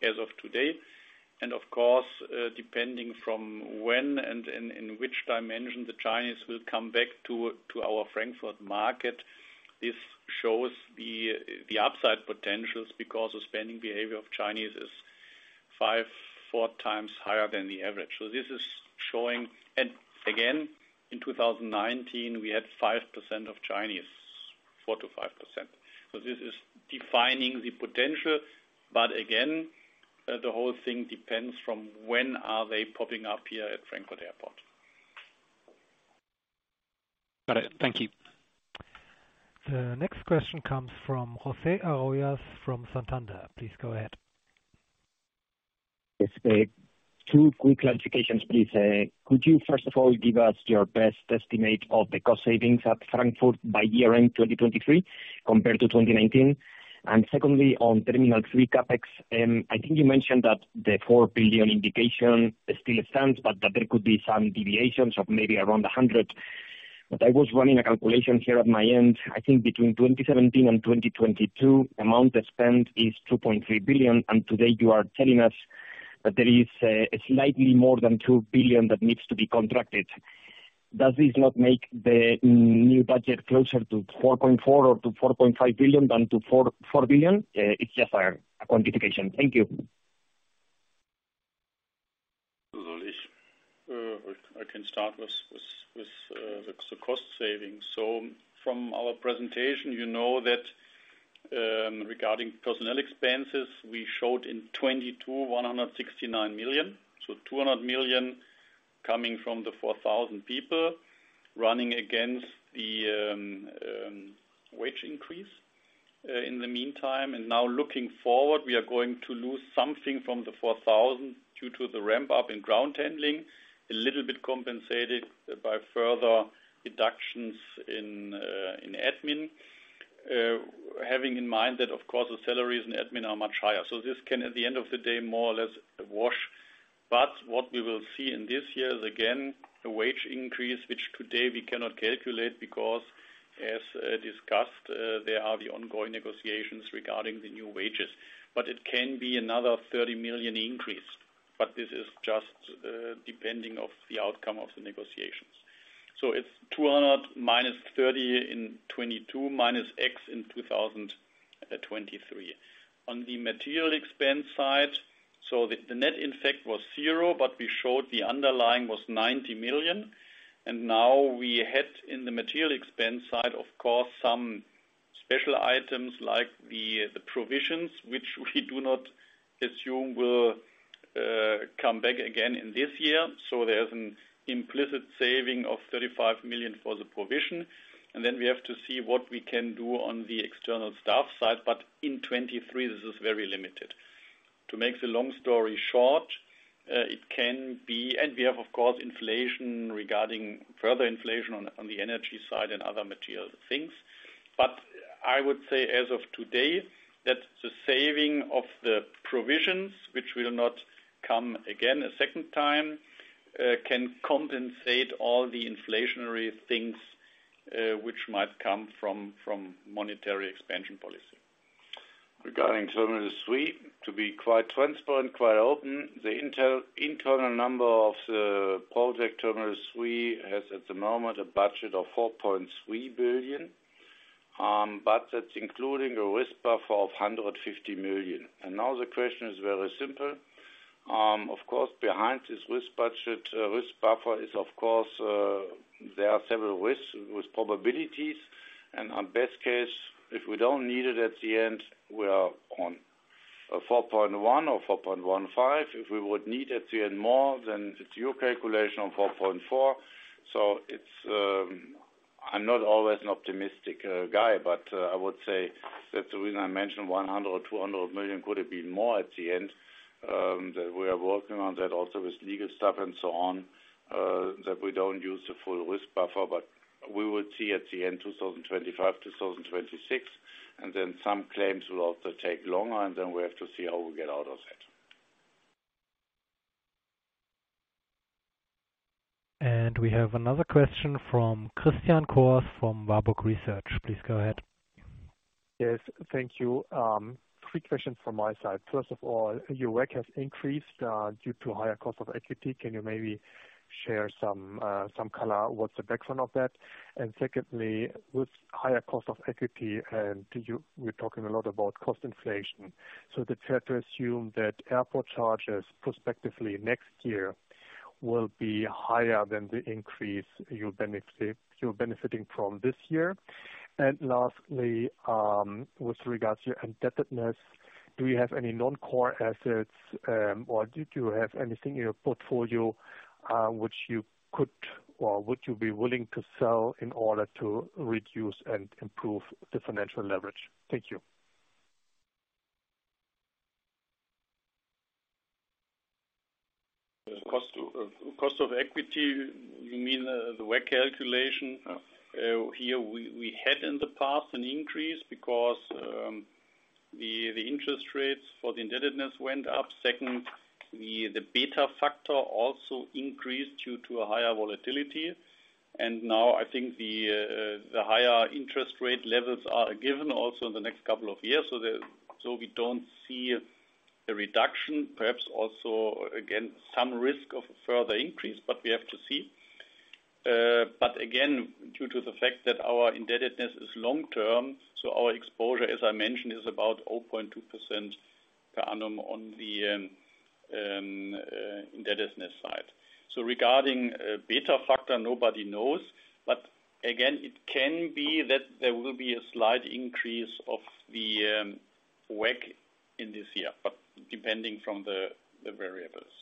as of today. Of course, depending from when and in which dimension the Chinese will come back to our Frankfurt market, this shows the upside potentials because the spending behavior of Chinese is five, four times higher than the average. Again, in 2019, we had 5% of Chinese, 4%-5%. This is defining the potential, but again, the whole thing depends from when are they popping up here at Frankfurt Airport. Got it. Thank you. The next question comes from José Arroyas from Santander. Please go ahead. Yes, two quick clarifications, please. Could you first of all give us your best estimate of the cost savings at Frankfurt by year-end 2023 compared to 2019? Secondly, on Terminal 3 CapEx, I think you mentioned that the 4 billion indication still stands, but that there could be some deviations of maybe around 100. I was running a calculation here at my end. I think between 2017 and 2022, amount spent is 2.3 billion. Today you are telling us that there is slightly more than 2 billion that needs to be contracted. Does this not make the new budget closer to 4.4 billion or to 4.5 billion than to 4 billion? It's just a quantification. Thank you. I can start with the cost savings. From our presentation, you know that regarding personnel expenses, we showed in 2022 169 million, 200 million coming from the 4,000 people running against the wage increase in the meantime. Now looking forward, we are going to lose something from the 4,000 due to the ramp up in ground handling, a little bit compensated by further reductions in admin, having in mind that of course the salaries in admin are much higher. This can at the end of the day, more or less wash. What we will see in this year is again, a wage increase, which today we cannot calculate because as discussed, there are the ongoing negotiations regarding the new wages. It can be another 30 million increase. This is just depending of the outcome of the negotiations. It's 200 minus 30 in 2022, minus X in 2023. On the material expense side, the net effect was zero, we showed the underlying was 90 million. We had in the material expense side, of course, some special items like the provisions, which we do not assume will come back again in this year. There's an implicit saving of 35 million for the provision. We have to see what we can do on the external staff side, in 2023, this is very limited. To make the long story short, we have, of course, inflation regarding further inflation on the energy side and other material things. I would say as of today, that the saving of the provisions, which will not come again a second time, can compensate all the inflationary things, which might come from monetary expansion policy. Regarding Terminal 3, to be quite transparent, quite open, the internal number of the project Terminal 3 has at the moment a budget of 4.3 billion. That's including a risk buffer of 150 million. Now the question is very simple. Of course, behind this risk budget, risk buffer is, of course, there are several risks with probabilities. On best case, if we don't need it at the end, we are on a 4.1 or 4.15. If we would need it to earn more, it's your calculation of 4.4. I'm not always an optimistic guy, I would say that the reason I mentioned 100 million or 200 million could have been more at the end, that we are working on that also with legal stuff and so on, that we don't use the full risk buffer. We will see at the end, 2025, 2026, and then some claims will also take longer, and then we have to see how we get out of that. We have another question from Christian Cohrs from Warburg Research. Please go ahead. Yes, thank you. three questions from my side. First of all, your WACC has increased, due to higher cost of equity. Can you maybe share some color? What's the background of that? Secondly, with higher cost of equity and we're talking a lot about cost inflation. Is it fair to assume that airport charges prospectively next year will be higher than the increase you're benefiting from this year? Lastly, with regards to your indebtedness, do you have any non-core assets, or did you have anything in your portfolio, which you could or would you be willing to sell in order to reduce and improve the financial leverage? Thank you. Cost of equity, you mean the WACC calculation? Yeah. Here we had in the past an increase because the interest rates for the indebtedness went up. Second, the beta factor also increased due to a higher volatility. Now I think the higher interest rate levels are given also in the next couple of years. We don't see a reduction, perhaps also, again, some risk of further increase, but we have to see. But again, due to the fact that our indebtedness is long-term, our exposure, as I mentioned, is about 0.2% per annum on the indebtedness side. Regarding beta factor, nobody knows. Again, it can be that there will be a slight increase of the WACC in this year, but depending from the variables.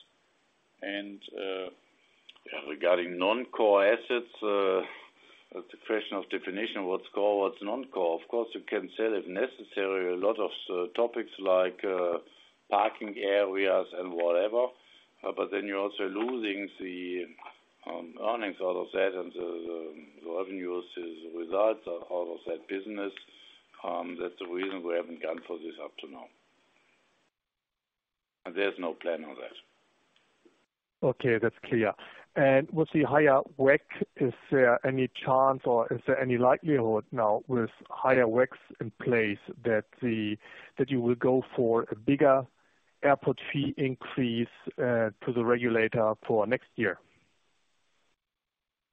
Regarding non-core assets, it's a question of definition, what's core, what's non-core. You can sell, if necessary, a lot of topics like parking areas and whatever. You're also losing the earnings out of that and the revenues as a result of out of that business. That's the reason we haven't gone for this up to now. There's no plan on that. Okay, that's clear. With the higher WACC, is there any chance or is there any likelihood now with higher WACCs in place that you will go for a bigger airport fee increase to the regulator for next year?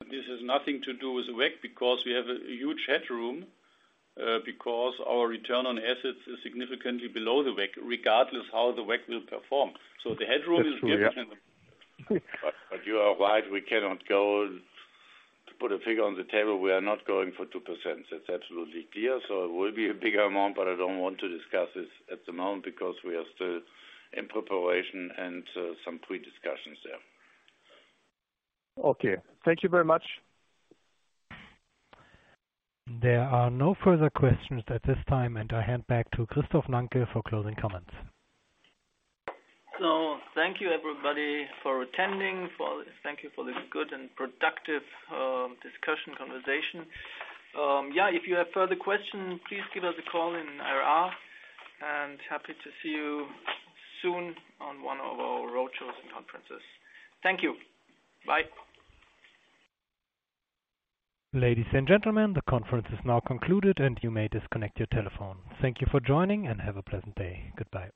This has nothing to do with WACC because we have a huge headroom, because our return on assets is significantly below the WACC, regardless how the WACC will perform. So the headroom is given. That's true, yeah. You are right, we cannot go to put a figure on the table. We are not going for 2%. That's absolutely clear. It will be a bigger amount, but I don't want to discuss this at the moment because we are still in preparation and some pre-discussions there. Okay. Thank you very much. There are no further questions at this time, and I hand back to Christoph Nanke for closing comments. Thank you, everybody, for attending. Thank you for this good and productive discussion, conversation. If you have further questions, please give us a call in IR, happy to see you soon on one of our roadshows and conferences. Thank you. Bye. Ladies and gentlemen, the conference is now concluded and you may disconnect your telephone. Thank you for joining and have a pleasant day. Goodbye.